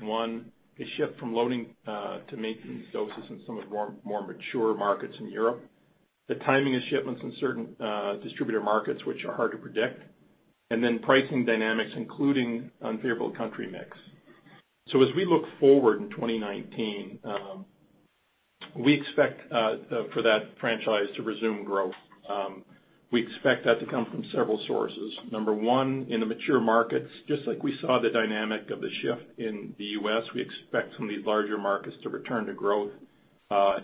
one, a shift from loading to maintenance doses in some of the more mature markets in Europe. The timing of shipments in certain distributor markets, which are hard to predict. Pricing dynamics, including unfavorable country mix. As we look forward in 2019, we expect for that franchise to resume growth. We expect that to come from several sources. Number one, in the mature markets, just like we saw the dynamic of the shift in the U.S., we expect some of these larger markets to return to growth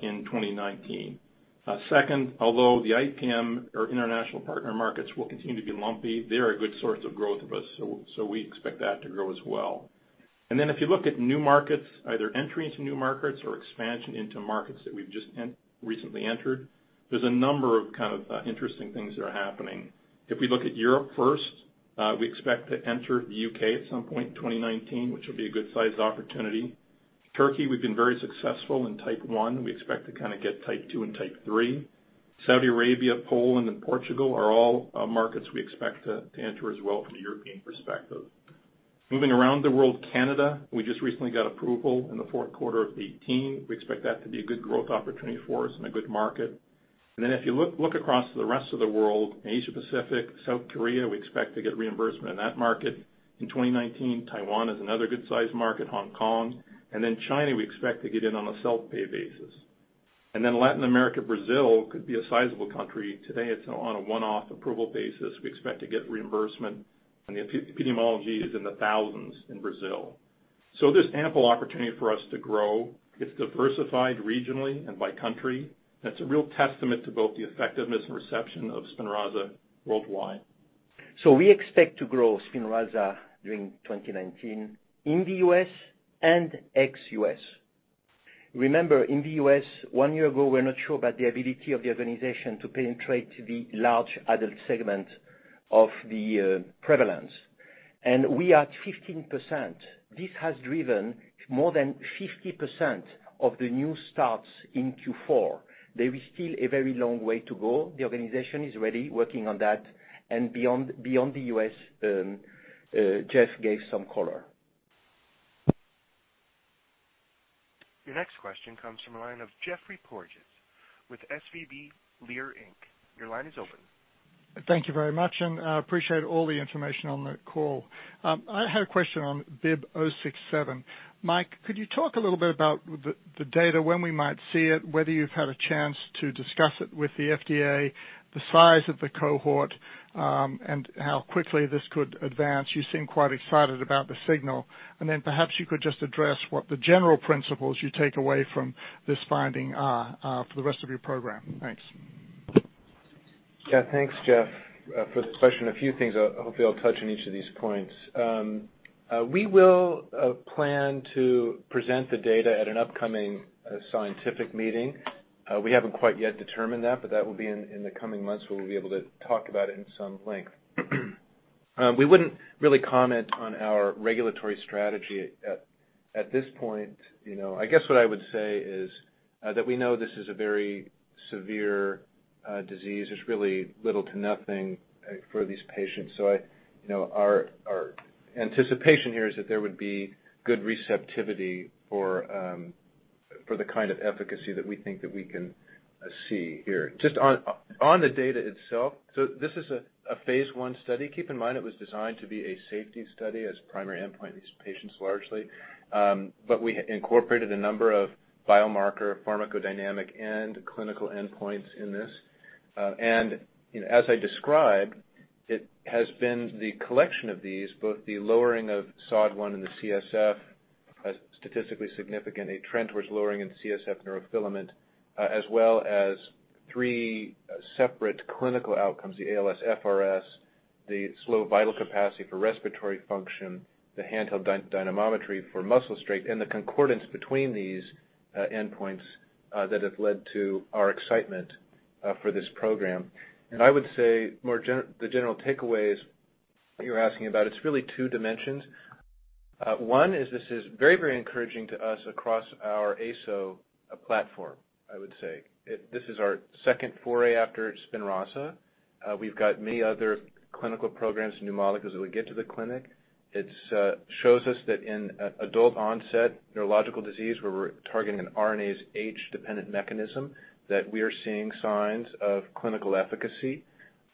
in 2019. Second, although the IPM or international partner markets will continue to be lumpy, they're a good source of growth for us, we expect that to grow as well. If you look at new markets, either entry into new markets or expansion into markets that we've just recently entered, there's a number of kind of interesting things that are happening. If we look at Europe first, we expect to enter the U.K. at some point in 2019, which will be a good-sized opportunity. Turkey, we've been very successful in Type 1. We expect to kind of get Type 2 and Type 3. Saudi Arabia, Poland, and Portugal are all markets we expect to enter as well from a European perspective. Moving around the world, Canada, we just recently got approval in the fourth quarter of 2018. We expect that to be a good growth opportunity for us and a good market. If you look across the rest of the world, in Asia Pacific, South Korea, we expect to get reimbursement in that market in 2019. Taiwan is another good-sized market. Hong Kong. China, we expect to get in on a self-pay basis. Latin America, Brazil could be a sizable country. Today, it's on a one-off approval basis. We expect to get reimbursement, and the epidemiology is in the thousands in Brazil. There's ample opportunity for us to grow. It's diversified regionally and by country, it's a real testament to both the effectiveness and reception of SPINRAZA worldwide. We expect to grow SPINRAZA during 2019 in the U.S. and ex-U.S. Remember, in the U.S. one year ago, we're not sure about the ability of the organization to penetrate the large adult segment of the prevalence, and we are at 15%. This has driven more than 50% of the new starts in Q4. There is still a very long way to go. The organization is already working on that and beyond the U.S., Jeff gave some color. Your next question comes from the line of Geoffrey Porges with SVB Leerink. Your line is open. Thank you very much, I appreciate all the information on the call. I had a question on BIIB067. Mike, could you talk a little bit about the data, when we might see it, whether you've had a chance to discuss it with the FDA, the size of the cohort, and how quickly this could advance? You seem quite excited about the signal. Perhaps you could just address what the general principles you take away from this finding are for the rest of your program. Thanks. Yeah. Thanks, Jeff, for the question. A few things, I hopefully I'll touch on each of these points. We will plan to present the data at an upcoming scientific meeting. We haven't quite yet determined that, but that will be in the coming months, where we'll be able to talk about it in some length. We wouldn't really comment on our regulatory strategy at this point. I guess what I would say is that we know this is a very severe disease. There's really little to nothing for these patients. Our anticipation here is that there would be good receptivity for the kind of efficacy that we think that we can see here. Just on the data itself, this is a phase I study. Keep in mind it was designed to be a safety study as primary endpoint in these patients largely. We incorporated a number of biomarker pharmacodynamic and clinical endpoints in this. As I described, it has been the collection of these, both the lowering of SOD1 in the CSF, a statistically significant, a trend towards lowering in CSF neurofilament, as well as three separate clinical outcomes, the ALSFRS, the slow vital capacity for respiratory function, the handheld dynamometry for muscle strength, and the concordance between these endpoints that have led to our excitement for this program. I would say the general takeaway is, what you're asking about, it's really two dimensions. One is this is very encouraging to us across our ASO platform, I would say. This is our second foray after SPINRAZA. We've got many other clinical programs, new molecules that we get to the clinic. It shows us that in adult-onset neurological disease, where we're targeting an RNase H-dependent mechanism, that we are seeing signs of clinical efficacy.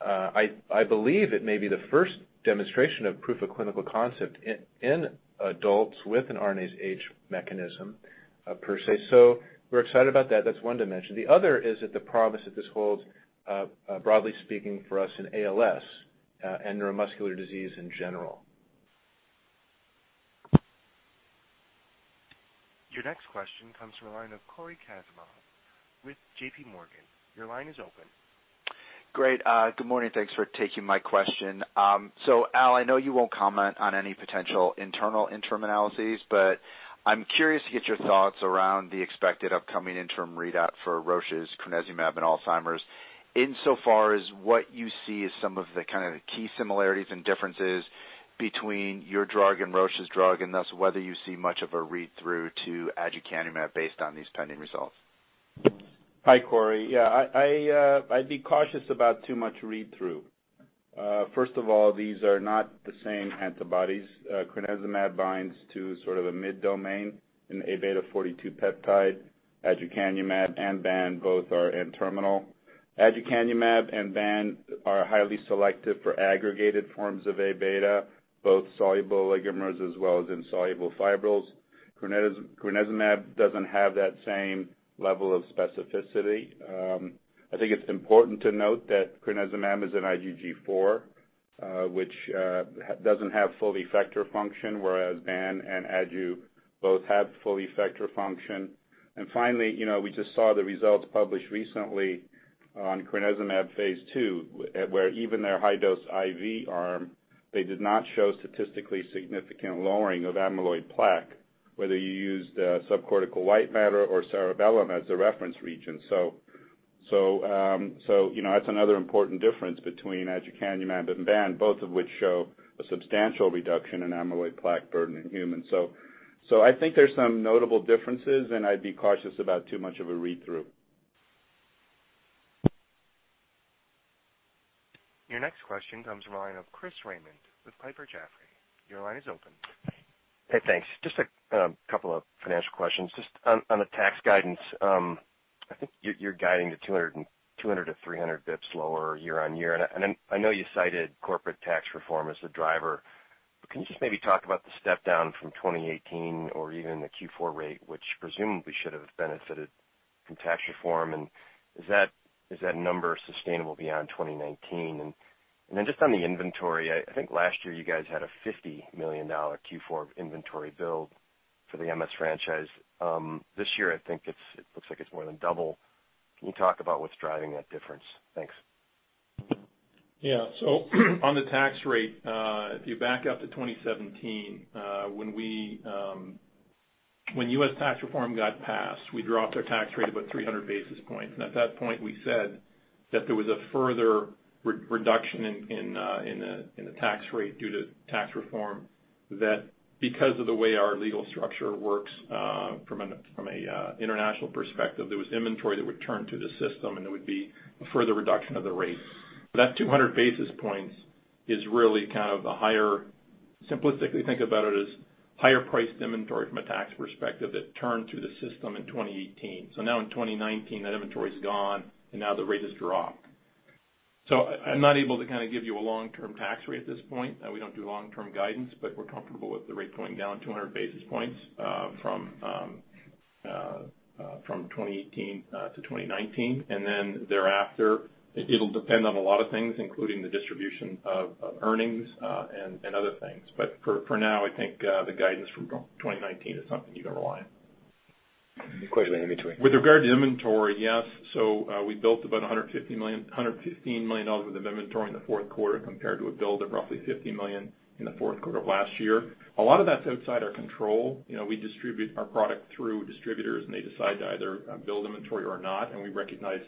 I believe it may be the first demonstration of proof of clinical concept in adults with an RNase H mechanism per se. We're excited about that. That's one dimension. The other is that the promise that this holds, broadly speaking for us in ALS, and neuromuscular disease in general. Your next question comes from the line of Cory Kasimov with JPMorgan. Your line is open. Great. Good morning. Thanks for taking my question. Al, I know you won't comment on any potential internal interim analyses, but I'm curious to get your thoughts around the expected upcoming interim readout for Roche's crenezumab in Alzheimer's, insofar as what you see as some of the key similarities and differences between your drug and Roche's drug, and thus whether you see much of a read-through to aducanumab based on these pending results. Hi, Cory. Yeah, I'd be cautious about too much read-through. First of all, these are not the same antibodies. Crenezumab binds to sort of a mid-domain in A-beta 42 peptide. Aducanumab and BAN both are N-terminal. Aducanumab and BAN are highly selective for aggregated forms of A-beta, both soluble oligomers as well as insoluble fibrils. Crenezumab doesn't have that same level of specificity. I think it's important to note that crenezumab is an IgG4, which doesn't have full effector function, whereas BAN and Adu both have full effector function. Finally, we just saw the results published recently on crenezumab phase II, where even their high-dose IV arm, they did not show statistically significant lowering of amyloid plaque, whether you used subcortical white matter or cerebellum as a reference region. That's another important difference between aducanumab and BAN, both of which show a substantial reduction in amyloid plaque burden in humans. I think there's some notable differences, and I'd be cautious about too much of a read-through. Your next question comes from the line of Chris Raymond with Piper Jaffray. Your line is open. Hey, thanks. Just a couple of financial questions. Just on the tax guidance, I think you're guiding to 200-300 basis points lower year-over-year. I know you cited corporate tax reform as the driver, can you just maybe talk about the step down from 2018 or even the Q4 rate, which presumably should have benefited from tax reform? Is that number sustainable beyond 2019? Just on the inventory, I think last year you guys had a $50 million Q4 inventory build for the MS franchise. This year, I think it looks like it's more than double Can you talk about what's driving that difference? Thanks. Yeah. On the tax rate, if you back out to 2017, when U.S. tax reform got passed, we dropped our tax rate about 300 basis points. At that point, we said that there was a further reduction in the tax rate due to tax reform that because of the way our legal structure works, from an international perspective, there was inventory that would turn to the system, it would be a further reduction of the rate. That 200 basis points is really the higher simplistically, think about it as higher priced inventory from a tax perspective that turned through the system in 2018. Now in 2019, that inventory's gone, the rate has dropped. I'm not able to give you a long-term tax rate at this point. We don't do long-term guidance, we're comfortable with the rate going down 200 basis points from 2018 to 2019. Thereafter, it'll depend on a lot of things, including the distribution of earnings and other things. For now, I think the guidance from 2019 is something you can rely on. A question on the inventory. With regard to inventory, yes. We built about $115 million worth of inventory in the fourth quarter compared to a build of roughly $50 million in the fourth quarter of last year. A lot of that's outside our control. We distribute our product through distributors, and they decide to either build inventory or not, and we recognize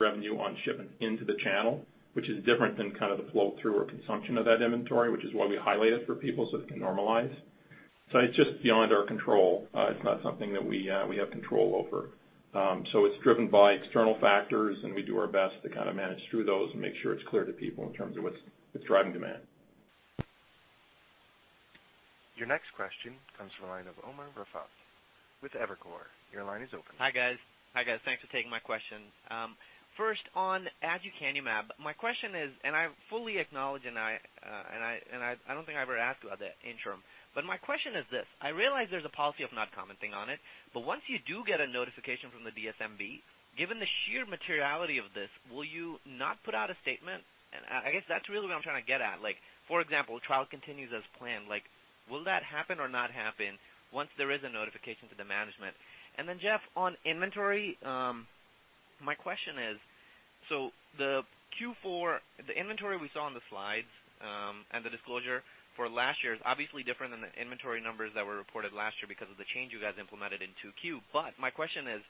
revenue on shipments into the channel, which is different than the flow-through or consumption of that inventory, which is why we highlight it for people so it can normalize. It's just beyond our control. It's not something that we have control over. It's driven by external factors, and we do our best to manage through those and make sure it's clear to people in terms of what's driving demand. Your next question comes from the line of Umer Raffat with Evercore. Your line is open. Hi, guys. Thanks for taking my question. First on aducanumab. My question is, I fully acknowledge, and I don't think I ever asked about the interim, but my question is this, I realize there's a policy of not commenting on it, but once you do get a notification from the DSMB, given the sheer materiality of this, will you not put out a statement? I guess that's really what I'm trying to get at. Like, for example, trial continues as planned. Will that happen or not happen once there is a notification to the management? Jeff, on inventory, my question is, the Q4, the inventory we saw on the slides, and the disclosure for last year is obviously different than the inventory numbers that were reported last year because of the change you guys implemented in 2Q. My question is,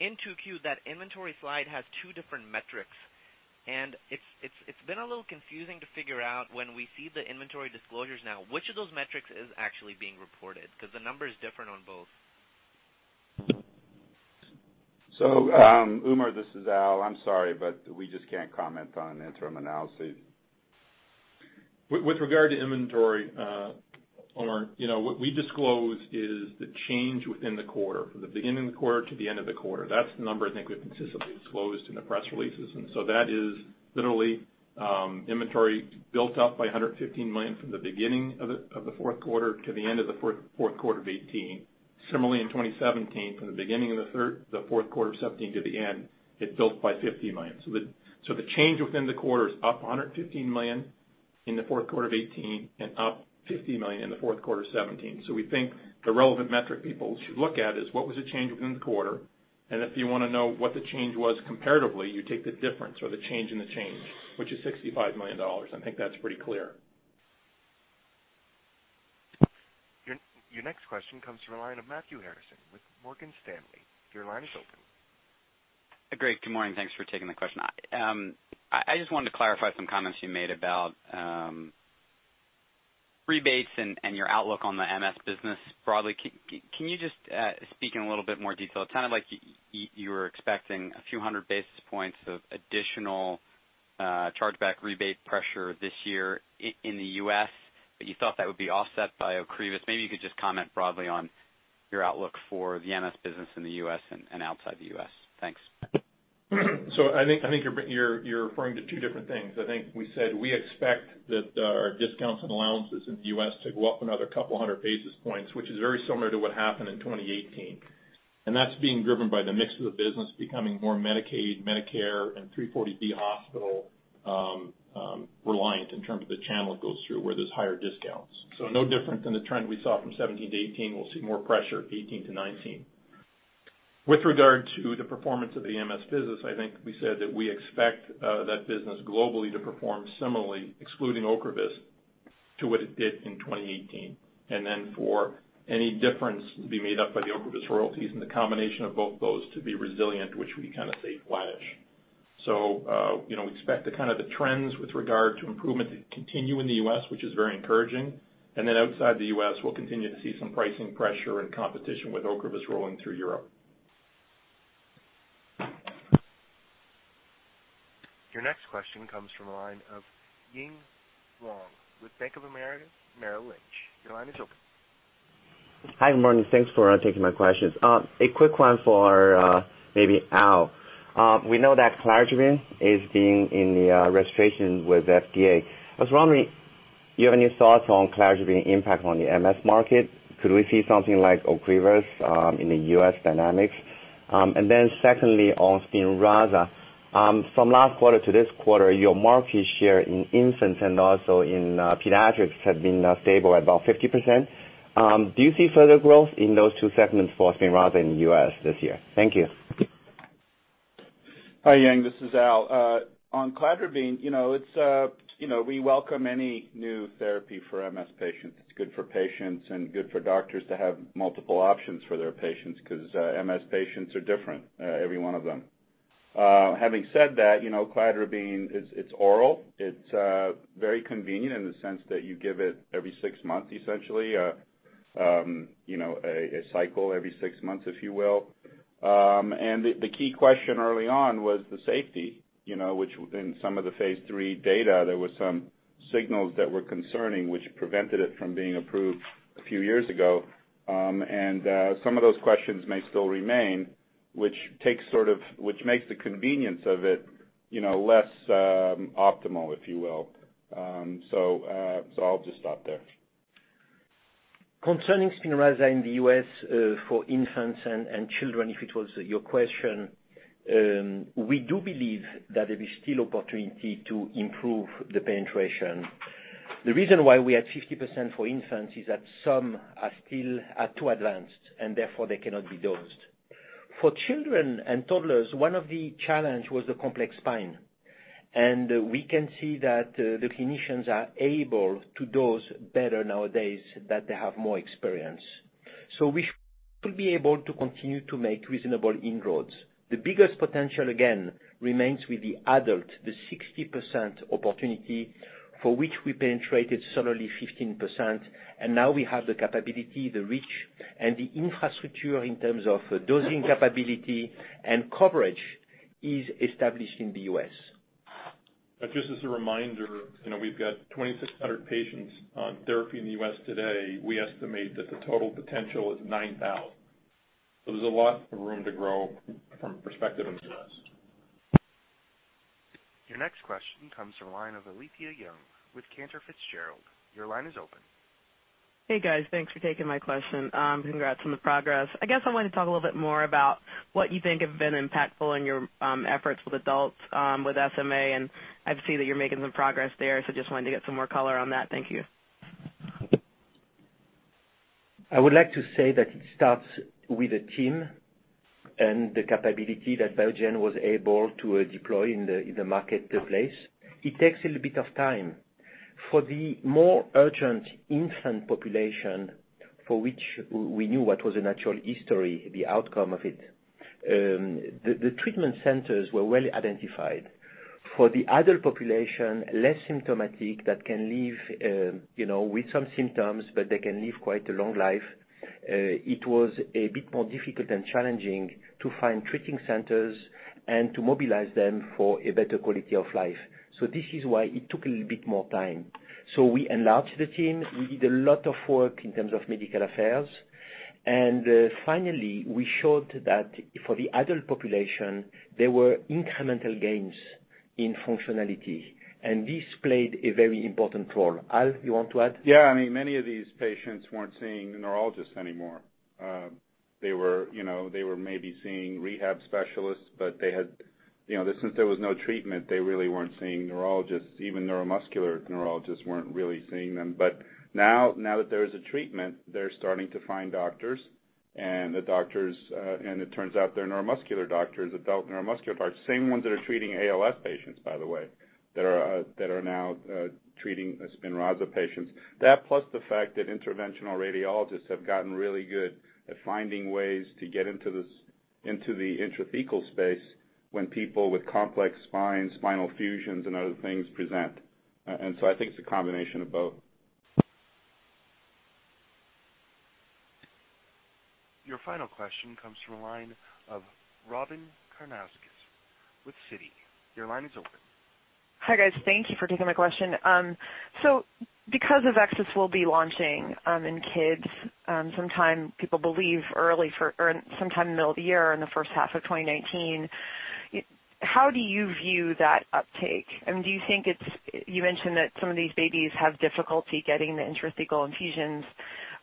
in 2Q, that inventory slide has two different metrics, and it's been a little confusing to figure out when we see the inventory disclosures now. Which of those metrics is actually being reported? Because the number is different on both. Umerr, this is Al. I'm sorry, but we just can't comment on interim analysis. With regard to inventory, Umer, what we disclose is the change within the quarter, from the beginning of the quarter to the end of the quarter. That's the number I think we've consistently disclosed in the press releases, that is literally inventory built up by $115 million from the beginning of the fourth quarter to the end of the fourth quarter of 2018. Similarly, in 2017, from the beginning of the fourth quarter of 2017 to the end, it built by $50 million. The change within the quarter is up $115 million in the fourth quarter of 2018 and up $50 million in the fourth quarter of 2017. We think the relevant metric people should look at is what was the change within the quarter. If you want to know what the change was comparatively, you take the difference or the change in the change, which is $65 million. I think that's pretty clear. Your next question comes from the line of Matthew Harrison with Morgan Stanley. Your line is open. good morning. Thanks for taking the question. I just wanted to clarify some comments you made about rebates and your outlook on the MS business broadly. Can you just speak in a little bit more detail? It sounded like you were expecting a few hundred basis points of additional chargeback rebate pressure this year in the U.S., but you thought that would be offset by Ocrevus. Maybe you could just comment broadly on your outlook for the MS business in the U.S. and outside the U.S. Thanks. I think you're referring to two different things. I think we said we expect that our discounts and allowances in the U.S. to go up another couple hundred basis points, which is very similar to what happened in 2018. That's being driven by the mix of the business becoming more Medicaid, Medicare, and 340B hospital reliant in terms of the channel it goes through where there's higher discounts. No different than the trend we saw from 2017 to 2018. We'll see more pressure 2018 to 2019. With regard to the performance of the MS business, I think we said that we expect that business globally to perform similarly, excluding OCREVUS, to what it did in 2018. Then for any difference will be made up by the Ocrevus royalties and the combination of both those to be resilient, which we say flat-ish. We expect the trends with regard to improvement to continue in the U.S., which is very encouraging. Then outside the U.S., we'll continue to see some pricing pressure and competition with Ocrevus rolling through Europe. Your next question comes from the line of Ying Huang with Bank of America Merrill Lynch. Your line is open. Hi, good morning. Thanks for taking my questions. A quick one for maybe Al. We know that cladribine is being in the registration with FDA. Really, do you have any thoughts on cladribine impact on the MS market? Could we see something like OCREVUS in the U.S. dynamics? Secondly, on SPINRAZA. From last quarter to this quarter, your market share in infants and also in pediatrics have been stable at about 50%. Do you see further growth in those two segments for SPINRAZA in the U.S. this year? Thank you. Hi, Ying. This is Al. On cladribine, we welcome any new therapy for MS patients. It's good for patients and good for doctors to have multiple options for their patients because MS patients are different, every one of them. Having said that, cladribine, it's oral, it's very convenient in the sense that you give it every six months, essentially, a cycle every six months, if you will. The key question early on was the safety, which in some of the phase III data, there were some signals that were concerning, which prevented it from being approved a few years ago. Some of those questions may still remain, which makes the convenience of it less optimal, if you will. I'll just stop there. Concerning SPINRAZA in the U.S. for infants and children, if it was your question, we do believe that there is still opportunity to improve the penetration. The reason why we're at 50% for infants is that some are still too advanced, and therefore they cannot be dosed. For children and toddlers, one of the challenge was the complex spine. We can see that the clinicians are able to dose better nowadays that they have more experience. We should be able to continue to make reasonable inroads. The biggest potential, again, remains with the adult, the 60% opportunity, for which we penetrated solely 15%. Now we have the capability, the reach, and the infrastructure in terms of dosing capability, and coverage is established in the U.S. Just as a reminder, we've got 2,600 patients on therapy in the U.S. today. We estimate that the total potential is 9,000. There's a lot of room to grow from the perspective of the U.S. Your next question comes from the line of Alethia Young with Cantor Fitzgerald. Your line is open. Hey, guys. Thanks for taking my question. Congrats on the progress. I guess I wanted to talk a little bit more about what you think have been impactful in your efforts with adults with SMA, and I see that you're making some progress there, so just wanted to get some more color on that. Thank you. I would like to say that it starts with a team and the capability that Biogen was able to deploy in the marketplace. It takes a little bit of time. For the more urgent infant population, for which we knew what was the natural history, the outcome of it, the treatment centers were well identified. For the adult population, less symptomatic, that can live with some symptoms, but they can live quite a long life, it was a bit more difficult and challenging to find treating centers and to mobilize them for a better quality of life. This is why it took a little bit more time. We enlarged the team. We did a lot of work in terms of medical affairs. Finally, we showed that for the adult population, there were incremental gains in functionality. This played a very important role. Al, you want to add? Yeah, many of these patients weren't seeing a neurologist anymore. They were maybe seeing rehab specialists, but since there was no treatment, they really weren't seeing neurologists. Even neuromuscular neurologists weren't really seeing them. Now that there is a treatment, they're starting to find doctors. It turns out they're neuromuscular doctors, adult neuromuscular, same ones that are treating ALS patients, by the way, that are now treating SPINRAZA patients. That plus the fact that interventional radiologists have gotten really good at finding ways to get into the intrathecal space when people with complex spines, spinal fusions, and other things present. I think it's a combination of both. Your final question comes from the line of Robyn Karnauskas with Citi. Your line is open. Hi, guys. Thank you for taking my question. Because of access we'll be launching in kids, sometime people believe early for, or sometime in the middle of the year in the first half of 2019, how do you view that uptake? You mentioned that some of these babies have difficulty getting the intrathecal infusions.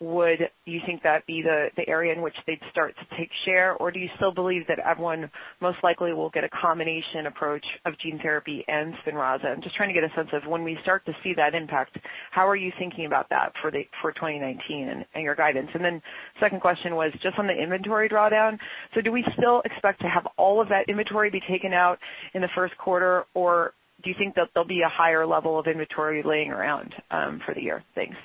Would you think that be the area in which they'd start to take share, or do you still believe that everyone most likely will get a combination approach of gene therapy and SPINRAZA? I'm just trying to get a sense of when we start to see that impact, how are you thinking about that for 2019 and your guidance? Second question was just on the inventory drawdown. Do we still expect to have all of that inventory be taken out in the first quarter, or do you think that there'll be a higher level of inventory laying around for the year? Thanks.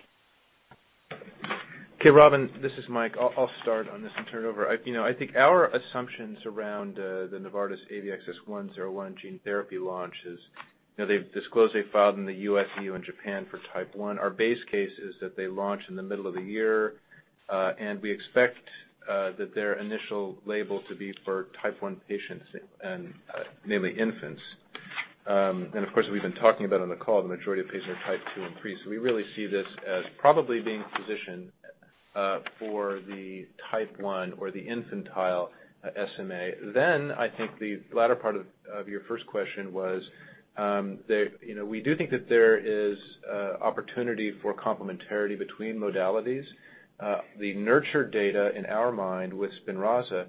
Okay, Robyn, this is Mike. I'll start on this and turn it over. I think our assumptions around the Novartis AVXS-101 gene therapy launch is they've disclosed they filed in the U.S., EU, and Japan for type 1. Our base case is that they launch in the middle of the year. We expect that their initial label to be for type 1 patients, and mainly infants. Of course, we've been talking about on the call, the majority of patients are type 2 and 3. We really see this as probably being positioned for the type 1 or the infantile SMA. I think the latter part of your first question was that we do think that there is opportunity for complementarity between modalities. The NURTURE data, in our mind, with SPINRAZA,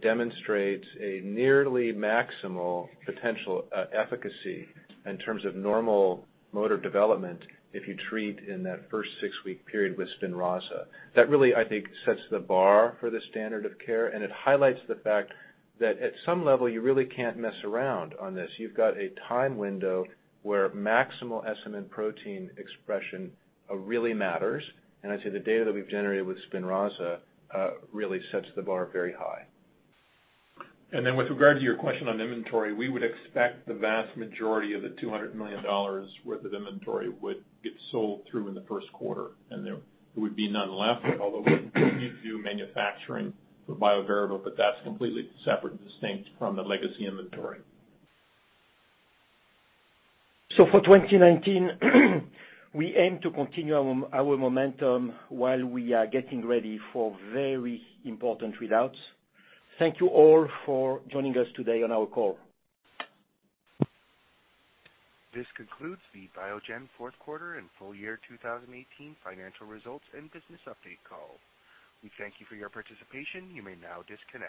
demonstrates a nearly maximal potential efficacy in terms of normal motor development if you treat in that first six-week period with SPINRAZA. That really, I think, sets the bar for the standard of care, and it highlights the fact that at some level, you really can't mess around on this. You've got a time window where maximal SMN protein expression really matters. I'd say the data that we've generated with SPINRAZA really sets the bar very high. With regard to your question on inventory, we would expect the vast majority of the $200 million worth of inventory would get sold through in the first quarter, and there would be none left, although we continue to do manufacturing for Bioverativ, but that's completely separate and distinct from the legacy inventory. For 2019 we aim to continue our momentum while we are getting ready for very important readouts. Thank you all for joining us today on our call. This concludes the Biogen Fourth Quarter and Full Year 2018 Financial Results and Business Update Call. We thank you for your participation. You may now disconnect.